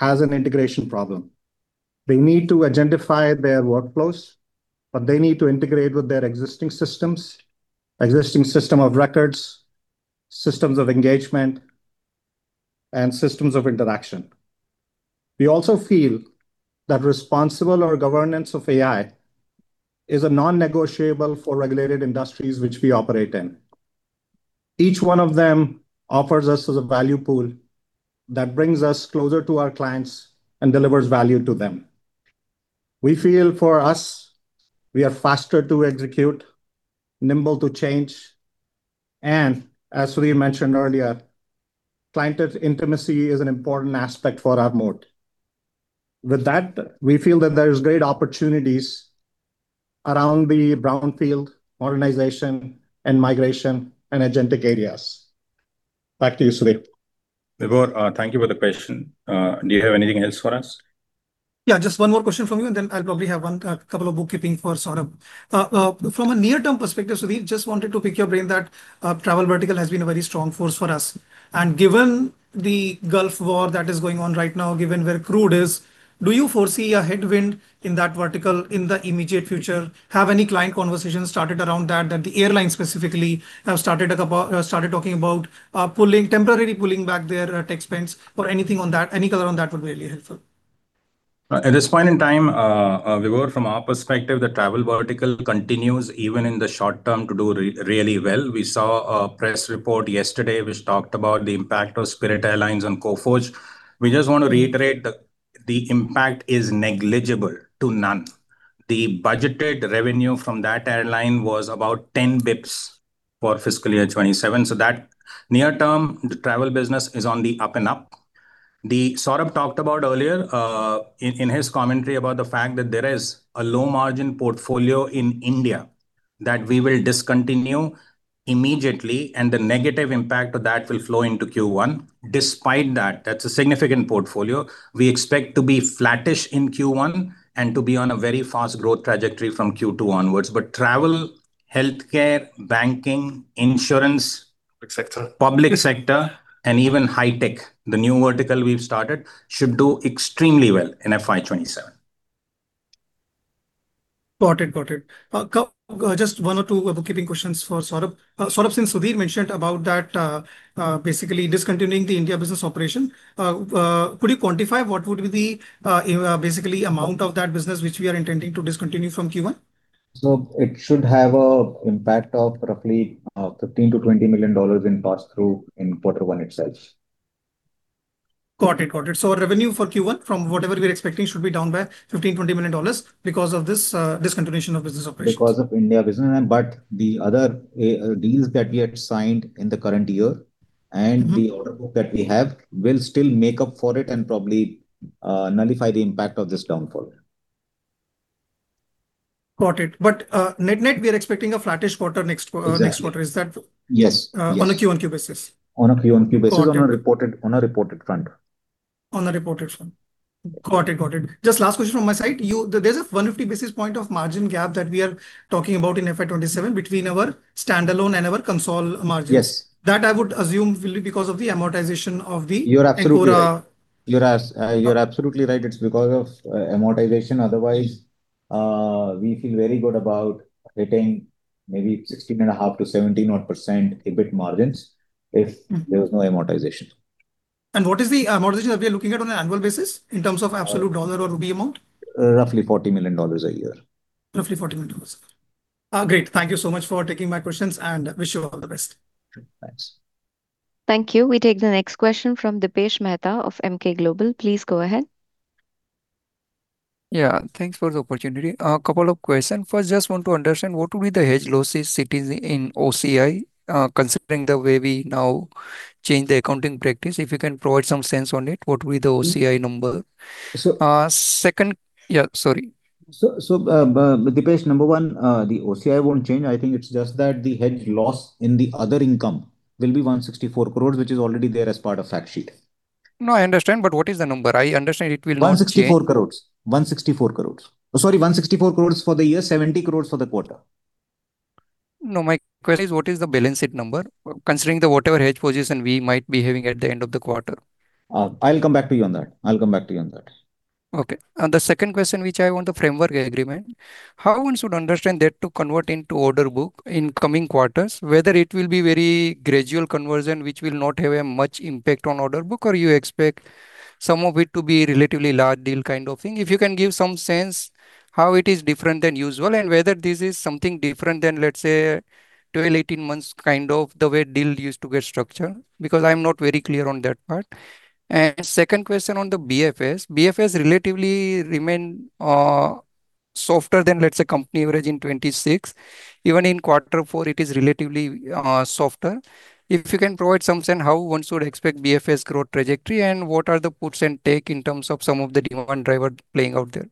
has an integration problem. They need to agentify their workflows, but they need to integrate with their existing systems, existing system of records, systems of engagement, and systems of interaction. We also feel that responsible or governance of AI is a non-negotiable for regulated industries which we operate in. Each one of them offers us as a value pool that brings us closer to our clients and delivers value to them. We feel for us, we are faster to execute, nimble to change, and as Sudhir mentioned earlier, client intimacy is an important aspect for our moat. With that, we feel that there's great opportunities around the brownfield modernization and migration and agentic areas. Back to you, Sudhir.
Vibhor, thank you for the question. Do you have anything else for us?
Just one more question from you, and then I'll probably have one a couple of bookkeeping for Saurabh. From a near-term perspective, Sudhir, just wanted to pick your brain that travel vertical has been a very strong force for us. Given the Gulf war that is going on right now, given where crude is, do you foresee a headwind in that vertical in the immediate future? Have any client conversations started around that the airlines specifically have started talking about temporarily pulling back their tech spends, or anything on that? Any color on that would be really helpful.
At this point in time, Vibhor, from our perspective, the travel vertical continues even in the short term to do really well. We saw a press report yesterday which talked about the impact of Spirit Airlines on Coforge. We just want to reiterate the impact is negligible to none. The budgeted revenue from that airline was about 10 basis points for fiscal year 2027, so that near term, the travel business is on the up and up. Saurabh talked about earlier in his commentary about the fact that there is a low-margin portfolio in India that we will discontinue immediately, and the negative impact of that will flow into Q1. Despite that's a significant portfolio. We expect to be flattish in Q1 and to be on a very fast growth trajectory from Q2 onwards. travel, healthcare, banking, insurance.
Et cetera.
public sector, and even high-tech, the new vertical we've started, should do extremely well in FY 2027.
Got it. Just one or two bookkeeping questions for Saurabh. Saurabh, since Sudhir mentioned about that, basically discontinuing the India business operation, could you quantify what would be the, basically amount of that business which we are intending to discontinue from Q1?
It should have a impact of roughly, $15 million-$20 million in pass-through in quarter one itself.
Got it. Revenue for Q1 from whatever we're expecting should be down by $15 million-$20 million because of this discontinuation of business operations.
Because of India business. The other deals that we had signed in the current year. The order book that we have will still make up for it and probably nullify the impact of this downfall.
Got it. net-net, we are expecting a flattish quarter next-
Exactly....
next quarter-
Yes. Yes....
on a Q-on-Q basis?
On a Q-on-Q basis-
Got it....
on a reported front.
On a reported front. Got it, got it. Just last question from my side. There's a 150 basis points of margin gap that we are talking about in FY 2027 between our standalone and our consol margin.
Yes.
That I would assume will be because of the amortization of-
You're absolutely right....
Encora.
You're absolutely right, it's because of amortization. Otherwise, we feel very good about hitting maybe 16.5%-17% odd EBIT margins if there was no amortization.
What is the amortization that we are looking at on an annual basis in terms of absolute dollar or rupee amount?
Roughly $40 million a year.
Roughly $40 million. Great. Thank you so much for taking my questions. Wish you all the best.
Thanks.
Thank you. We take the next question from Dipesh Mehta of Emkay Global. Please go ahead.
Yeah. Thanks for the opportunity. A couple of question. First, just want to understand what will be the hedge losses sitting in OCI, considering the way we now change the accounting practice. If you can provide some sense on it, what will be the OCI number?
So-
Second. Yeah, sorry.
Dipesh, number one, the OCI won't change. I think it's just that the hedge loss in the other income will be 164 crores, which is already there as part of fact sheet.
No, I understand, but what is the number? I understand it will not change.
164 crores. Sorry, 164 crores for the year, 70 crores for the quarter.
No, my question is what is the balance sheet number, considering the whatever hedge position we might be having at the end of the quarter?
I'll come back to you on that.
Okay. The second question, which I want the framework agreement. How one should understand that to convert into order book in coming quarters, whether it will be very gradual conversion which will not have a much impact on order book, or you expect some of it to be relatively large deal kind of thing? If you can give some sense how it is different than usual, and whether this is something different than, let's say, 12, 18 months kind of the way deal used to get structured, because I'm not very clear on that part. Second question on the BFS. BFS relatively remain softer than, let's say, company average in 2026. Even in quarter four it is relatively softer. If you can provide some sense how one should expect BFS growth trajectory, and what are the puts and take in terms of some of the demand driver playing out there?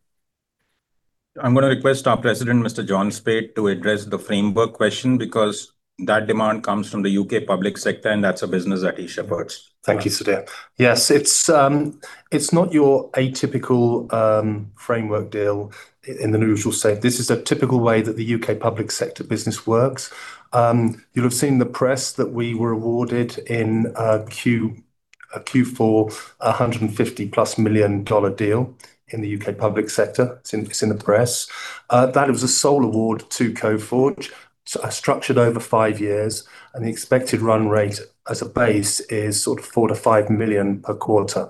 I'm gonna request our President, Mr. John Speight, to address the framework question, because that demand comes from the U.K. public sector and that's a business that he shepherds.
Thank you, Sudhir. Yes, it's not your atypical framework deal in the usual sense. This is a typical way that the U.K. public sector business works. You'll have seen the press that we were awarded in Q4 $150+ million deal in the U.K. public sector. It's in the press. That was a sole award to Coforge structured over five years, and the expected run rate as a base is sort of $4 million-$5 million per quarter.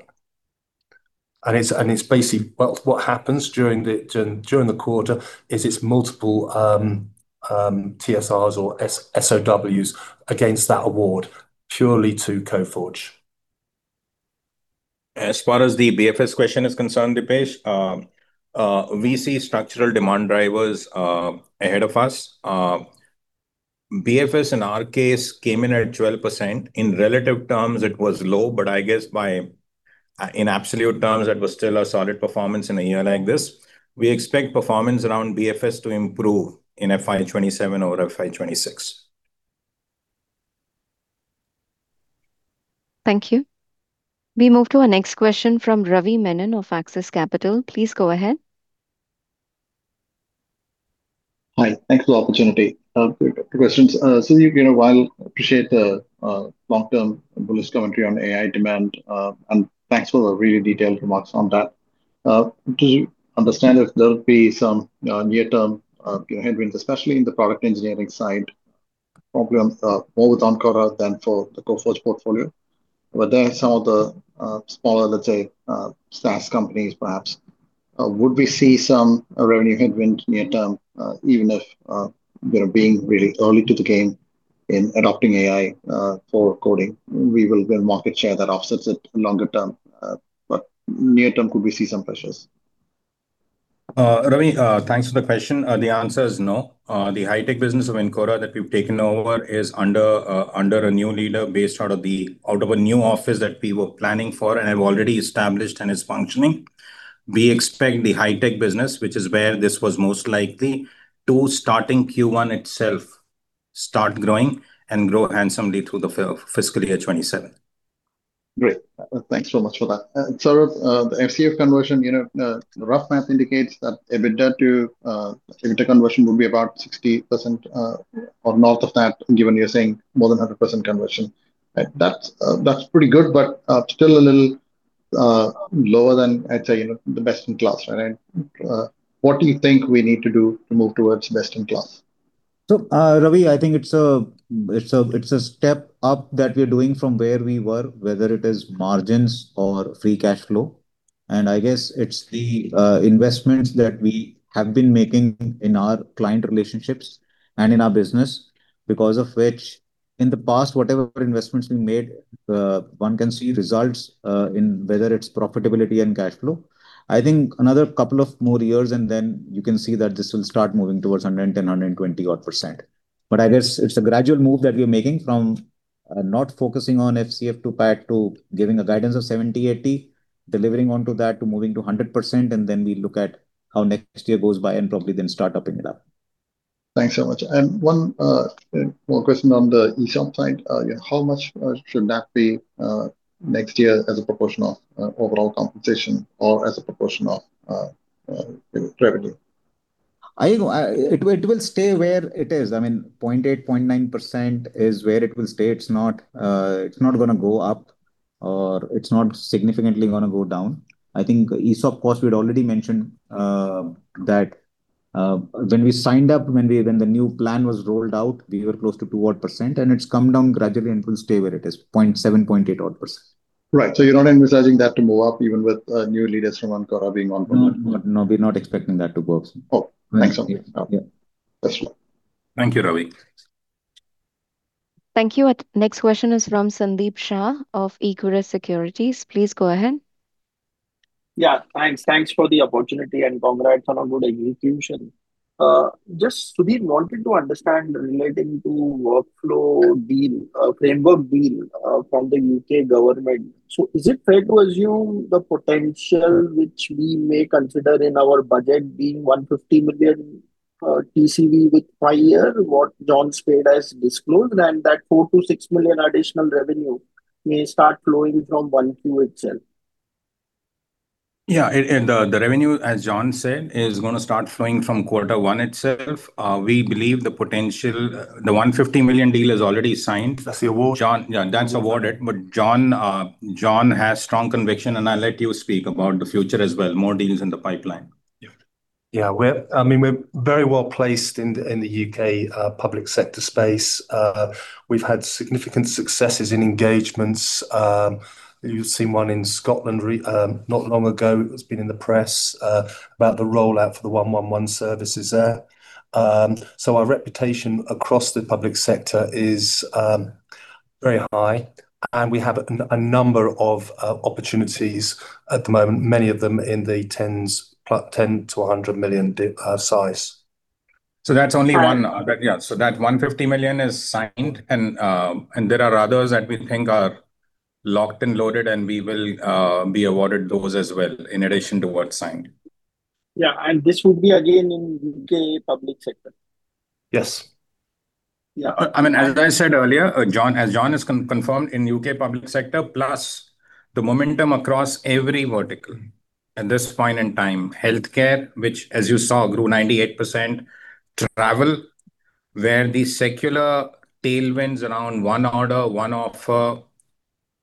It's basically Well, what happens during the quarter is it's multiple TSRs or SOWs against that award purely to Coforge.
As far as the BFS question is concerned, Dipesh, we see structural demand drivers ahead of us. BFS in our case came in at 12%. In relative terms it was low, but I guess by in absolute terms that was still a solid performance in a year like this. We expect performance around BFS to improve in FY 2027 over FY 2026.
Thank you. We move to our next question from Ravi Menon of Axis Capital. Please go ahead.
Hi. Thanks for the opportunity. Two questions. Sudhir, you know, while appreciate the long-term bullish commentary on AI demand, and thanks for the really detailed remarks on that. Do you understand if there would be some near-term, you know, headwinds, especially in the product engineering side, probably more with Encora than for the Coforge portfolio, some of the smaller, let's say, SaaS companies perhaps? Would we see some revenue headwind near-term, even if, you know, being really early to the game in adopting AI for coding? We will build market share that offsets it longer term, but near-term could we see some pressures?
Ravi, thanks for the question. The answer is no. The high-tech business of Encora that we've taken over is under a new leader based out of the, out of a new office that we were planning for and have already established and is functioning. We expect the high-tech business, which is where this was most likely to, starting Q1 itself, start growing and grow handsomely through the fiscal year 2027.
Great. Thanks so much for that. Saurabh, the FCF conversion, you know, the rough math indicates that EBITDA to free cash conversion would be about 60%, or north of that, given you're saying more than 100% conversion. Right? That's, that's pretty good but, still a little lower than I'd say, you know, the best in class, right? What do you think we need to do to move towards best in class?
Ravi, I think it's a step up that we're doing from where we were, whether it is margins or free cash flow. I guess it's the investments that we have been making in our client relationships and in our business, because of which in the past whatever investments we made, one can see results in whether it's profitability and cash flow. I think another couple of more years and then you can see that this will start moving towards 110%-120% odd. I guess it's a gradual move that we're making from not focusing on FCF to PAT to giving a guidance of 70%-80%, delivering onto that to moving to 100%, and then we look at how next year goes by and probably then start upping it up.
One, one question on the ESOP side. You know, how much should that be next year as a proportion of overall compensation or as a proportion of revenue?
It will stay where it is. I mean, 0.8%-0.9% is where it will stay. It's not, it's not gonna go up, or it's not significantly gonna go down. I think ESOP cost, we'd already mentioned that when the new plan was rolled out, we were close to 2% odd, and it's come down gradually and it will stay where it is, 0.7%-0.8% odd.
Right. you're not envisaging that to move up even with new leaders from Encora being on boarded?
No. No, we're not expecting that to go up.
Oh, thanks so much.
Yeah. Yeah.
That's all.
Thank you, Ravi.
Thank you. Next question is from Sandeep Shah of Equirus Securities. Please go ahead.
Thanks. Thanks for the opportunity, and congrats on a good execution. Just Sudhir wanted to understand relating to workflow deal, framework deal, from the U.K. government. Is it fair to assume the potential which we may consider in our budget being $150 million TCV with five-year what John Speight has disclosed, and that $4 million-$6 million additional revenue may start flowing from 1Q itself?
Yeah. The revenue, as John said, is going to start flowing from quarter one itself. We believe the potential, the $150 million deal is already signed.
That's the award.
John Yeah, that's awarded. John has strong conviction, and I'll let you speak about the future as well, more deals in the pipeline.
We're very well placed in the U.K. public sector space. We've had significant successes in engagements. You've seen one in Scotland not long ago. It's been in the press about the rollout for the 1-1-1 services there. Our reputation across the public sector is very high. We have a number of opportunities at the moment, many of them in the $10 million-$100 million size.
That's only one-
And-
Yeah. That $150 million is signed, and there are others that we think are locked and loaded, and we will be awarded those as well in addition to what's signed.
Yeah. This would be again in U.K. public sector?
Yes.
Yeah.
I mean, as I said earlier, John, as John has confirmed, in U.K. public sector plus the momentum across every vertical at this point in time. Healthcare, which as you saw grew 98%. Travel, where the secular tailwinds around One Order, One Offer,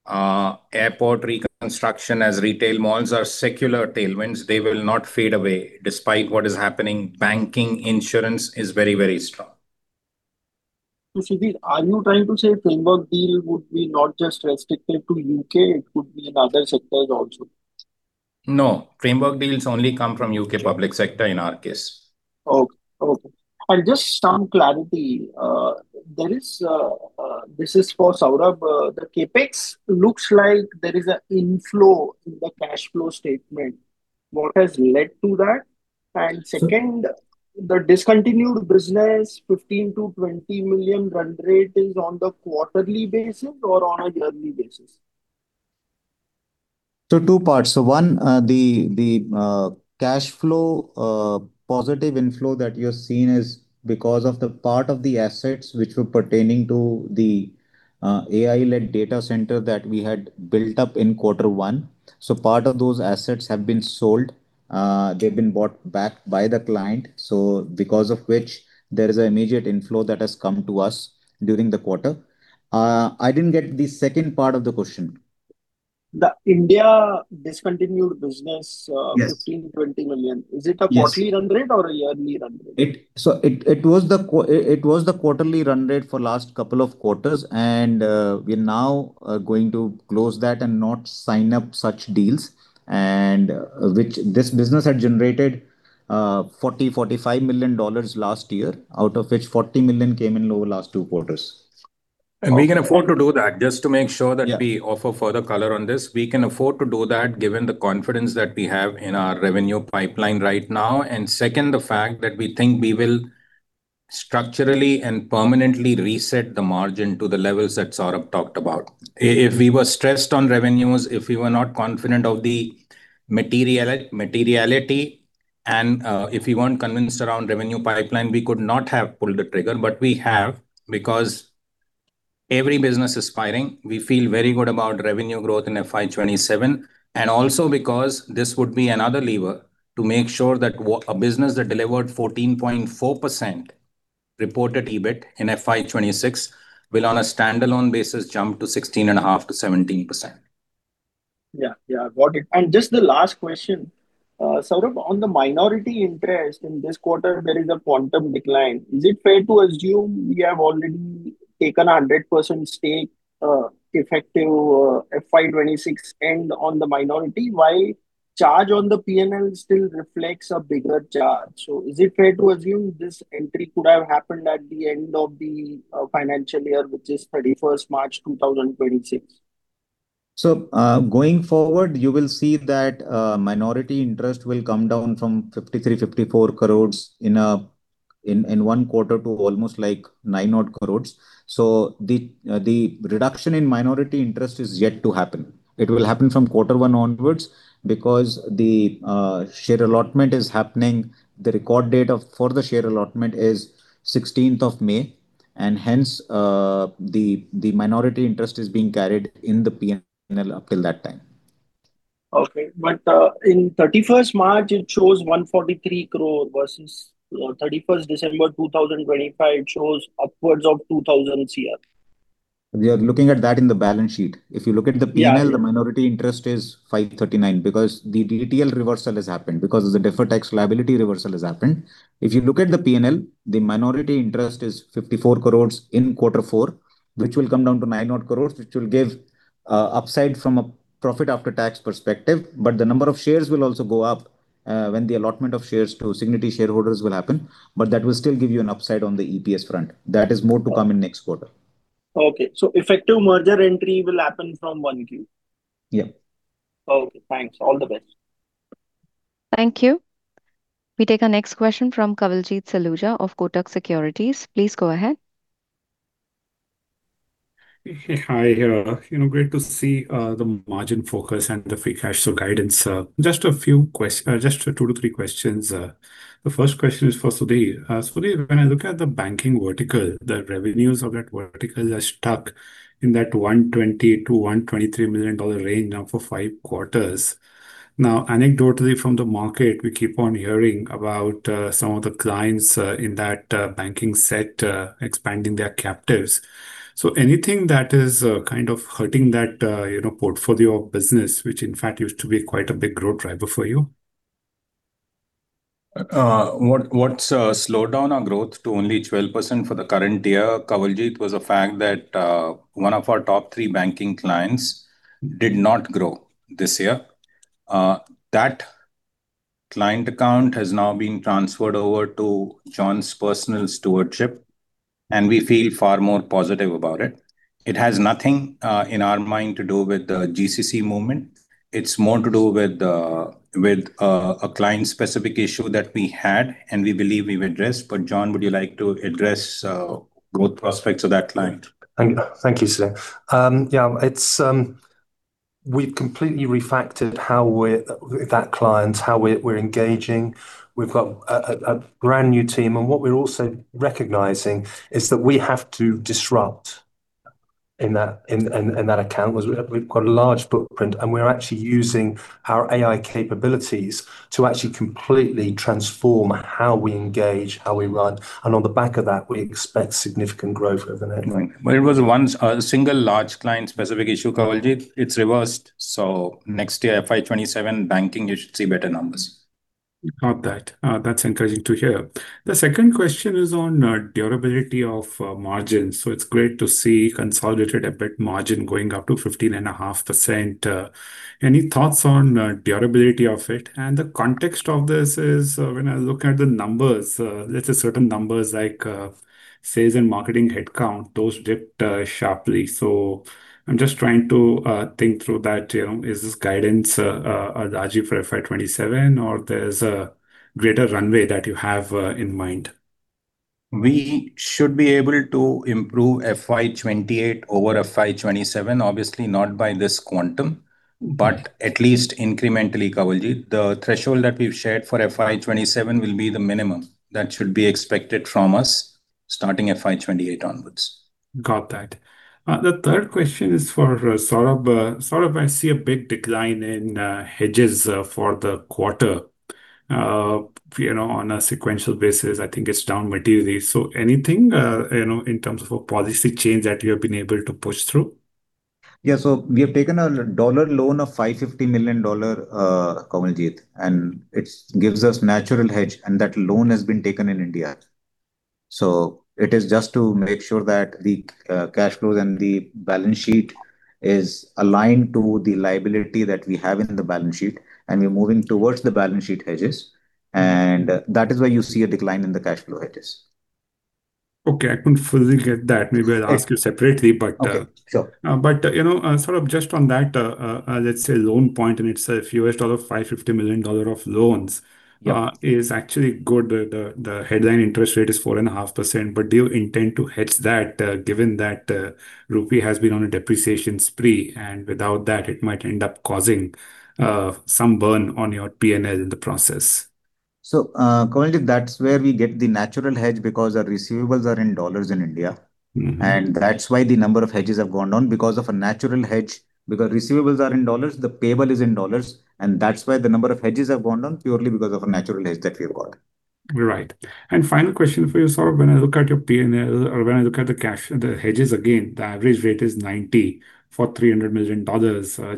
airport reconstruction as retail malls are secular tailwinds. They will not fade away despite what is happening. Banking, insurance is very, very strong.
Sudhir, are you trying to say framework deal would be not just restricted to U.K., it could be in other sectors also?
No. Framework deals only come from U.K. public sector in our case.
Okay. Okay. Just some clarity, this is for Saurabh. The CapEx looks like there is a inflow in the cash flow statement. What has led to that? Second-
S-
The discontinued business $15 million-$20 million run rate is on the quarterly basis or on a yearly basis?
Two parts. One, the cash flow positive inflow that you're seeing is because of the part of the assets which were pertaining to the AI-led data center that we had built up in quarter one. Part of those assets have been sold. They've been bought back by the client, so because of which there is an immediate inflow that has come to us during the quarter. I didn't get the second part of the question.
The India discontinued business.
Yes
$15 million-$20 million.
Yes
Is it quarterly run rate or a yearly run rate?
It was the quarterly run rate for last couple of quarters and we're now going to close that and not sign up such deals and which this business had generated $40 million-$45 million last year, out of which $40 million came in over last two quarters.
We can afford to do that.
Yeah.
We offer further color on this. We can afford to do that given the confidence that we have in our revenue pipeline right now. Second, the fact that we think we will structurally and permanently reset the margin to the levels that Saurabh talked about. If we were stressed on revenues, if we were not confident of the materiality, if we weren't convinced around revenue pipeline, we could not have pulled the trigger. We have because every business is firing. We feel very good about revenue growth in FY 2027, and also because this would be another lever to make sure that what a business that delivered 14.4% reported EBIT in FY 2026 will on a standalone basis jump to 16.5%-17%.
Yeah. Yeah, got it. Just the last question. Saurabh, on the minority interest in this quarter there is a quantum decline. Is it fair to assume you have already taken 100% stake, effective, FY 2026 end on the minority? Why charge on the P&L still reflects a bigger charge? Is it fair to assume this entry could have happened at the end of the financial year, which is 31st March 2026?
Going forward, you will see that minority interest will come down from 53 crores-54 crores in one quarter to almost like 9 odd crores. The reduction in minority interest is yet to happen. It will happen from quarter one onwards because the share allotment is happening. The record date for the share allotment is 16th of May, hence, the minority interest is being carried in the P&L up till that time.
Okay. In 31st March it shows 143 crore versus 31st December 2025 it shows upwards of 2,000 CR.
We are looking at that in the balance sheet. If you look at the P&L.
Yeah.
The minority interest is 539 million because the DTL reversal has happened. The deferred tax liability reversal has happened. If you look at the P&L, the minority interest is 54 crores in quarter four, which will come down to 9 odd crores, which will give upside from a profit after tax perspective, but the number of shares will also go up when the allotment of shares to Cigniti shareholders will happen. That will still give you an upside on the EPS front. That is more to come in next quarter.
Okay. Effective merger entry will happen from 1Q?
Yeah.
Okay, thanks. All the best.
Thank you. We take our next question from Kawaljeet Saluja of Kotak Securities. Please go ahead.
Hi. You know, great to see the margin focus and the free cash flow guidance. Just two to three questions. The first question is for Sudhir. Sudhir, when I look at the banking vertical, the revenues of that vertical are stuck in that $120 million-$123 million range now for five quarters. Now, anecdotally from the market, we keep on hearing about some of the clients in that banking set expanding their captives. Anything that is kind of hurting that, you know, portfolio of business, which in fact used to be quite a big growth driver for you?
What's slowed down our growth to only 12% for the current year, Kawaljeet, was the fact that one of our top three banking clients did not grow this year. That client account has now been transferred over to John's personal stewardship, and we feel far more positive about it. It has nothing in our mind to do with the GCC movement. It's more to do with a client-specific issue that we had and we believe we've addressed. John, would you like to address growth prospects of that client?
Thank you, Sudhir. Yeah, it's, we've completely refactored how we're, with that client, how we're engaging. We've got a brand-new team, what we're also recognizing is that we have to disrupt in that account because we've got a large footprint and we're actually using our AI capabilities to actually completely transform how we engage, how we run. On the back of that, we expect significant growth over the next-
Right. Well, it was once a single large client-specific issue, Kawaljeet. It's reversed, so next year, FY 2027 banking, you should see better numbers.
Got that. That's encouraging to hear. The second question is on durability of margins. It's great to see consolidated EBIT margin going up to 15.5%. Any thoughts on durability of it? And the context of this is, when I look at the numbers, let's say certain numbers like sales and marketing headcount, those dipped sharply. I'm just trying to think through that, you know. Is this guidance, Sudhir, for FY 2027 or there's a greater runway that you have in mind?
We should be able to improve FY 2028 over FY 2027, obviously not by this quantum, but at least incrementally, Kawaljeet. The threshold that we've shared for FY 2027 will be the minimum that should be expected from us starting FY 2028 onwards.
Got that. The third question is for Saurabh. Saurabh, I see a big decline in hedges for the quarter. You know, on a sequential basis, I think it's down materially. Anything, you know, in terms of a policy change that you have been able to push through?
Yeah. We have taken a dollar loan of $550 million, Kawaljeet, and it gives us natural hedge, and that loan has been taken in India. It is just to make sure that the cash flows and the balance sheet is aligned to the liability that we have in the balance sheet, and we're moving towards the balance sheet hedges, and that is why you see a decline in the cash flow hedges.
Okay. I couldn't fully get that. Maybe I'll ask you separately.
Okay. Sure.
You know, Saurabh, just on that, let's say loan point in itself, U.S. dollar, $550 million of loans.
Yeah.
Is actually good. The headline interest rate is 4.5%, but do you intend to hedge that, given that the rupee has been on a depreciation spree, and without that it might end up causing some burn on your P&L in the process?
Kawaljeet, that's where we get the natural hedge because our receivables are in dollars in India. That's why the number of hedges have gone down because of a natural hedge. Receivables are in dollars, the payable is in dollars, that's why the number of hedges have gone down purely because of a natural hedge that we've got.
Right. Final question for you, Saurabh. When I look at your P&L or when I look at the cash, the hedges, again, the average rate is 90 for $300 million.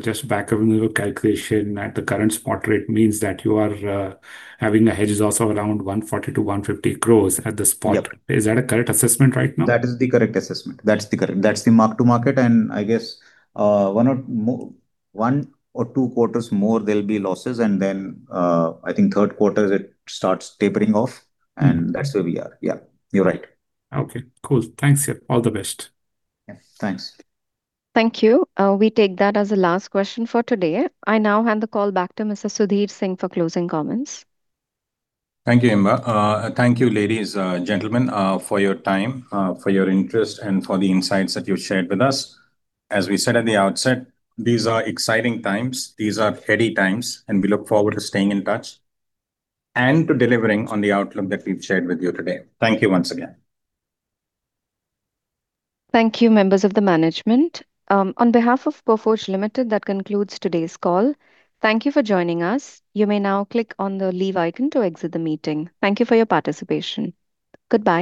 Just back on your calculation at the current spot rate means that you are having a hedge loss of around 140 crores-150 crores at this point.
Yep.
Is that a correct assessment right now?
That is the correct assessment. That's the mark to market, and I guess, one or two quarters more there'll be losses and then, I think third quarter it starts tapering off, and that's where we are. Yeah, you're right.
Okay, cool. Thanks. Yeah, all the best.
Yeah. Thanks.
Thank you. We take that as the last question for today. I now hand the call back to Mr. Sudhir Singh for closing comments.
Thank you, Emma. Thank you ladies, gentlemen, for your time, for your interest, and for the insights that you've shared with us. As we said at the outset, these are exciting times, these are heady times. We look forward to staying in touch and to delivering on the outlook that we've shared with you today. Thank you once again.
Thank you, members of the management. On behalf of Coforge Limited, that concludes today's call. Thank you for joining us. You may now click on the leave icon to exit the meeting. Thank you for your participation. Goodbye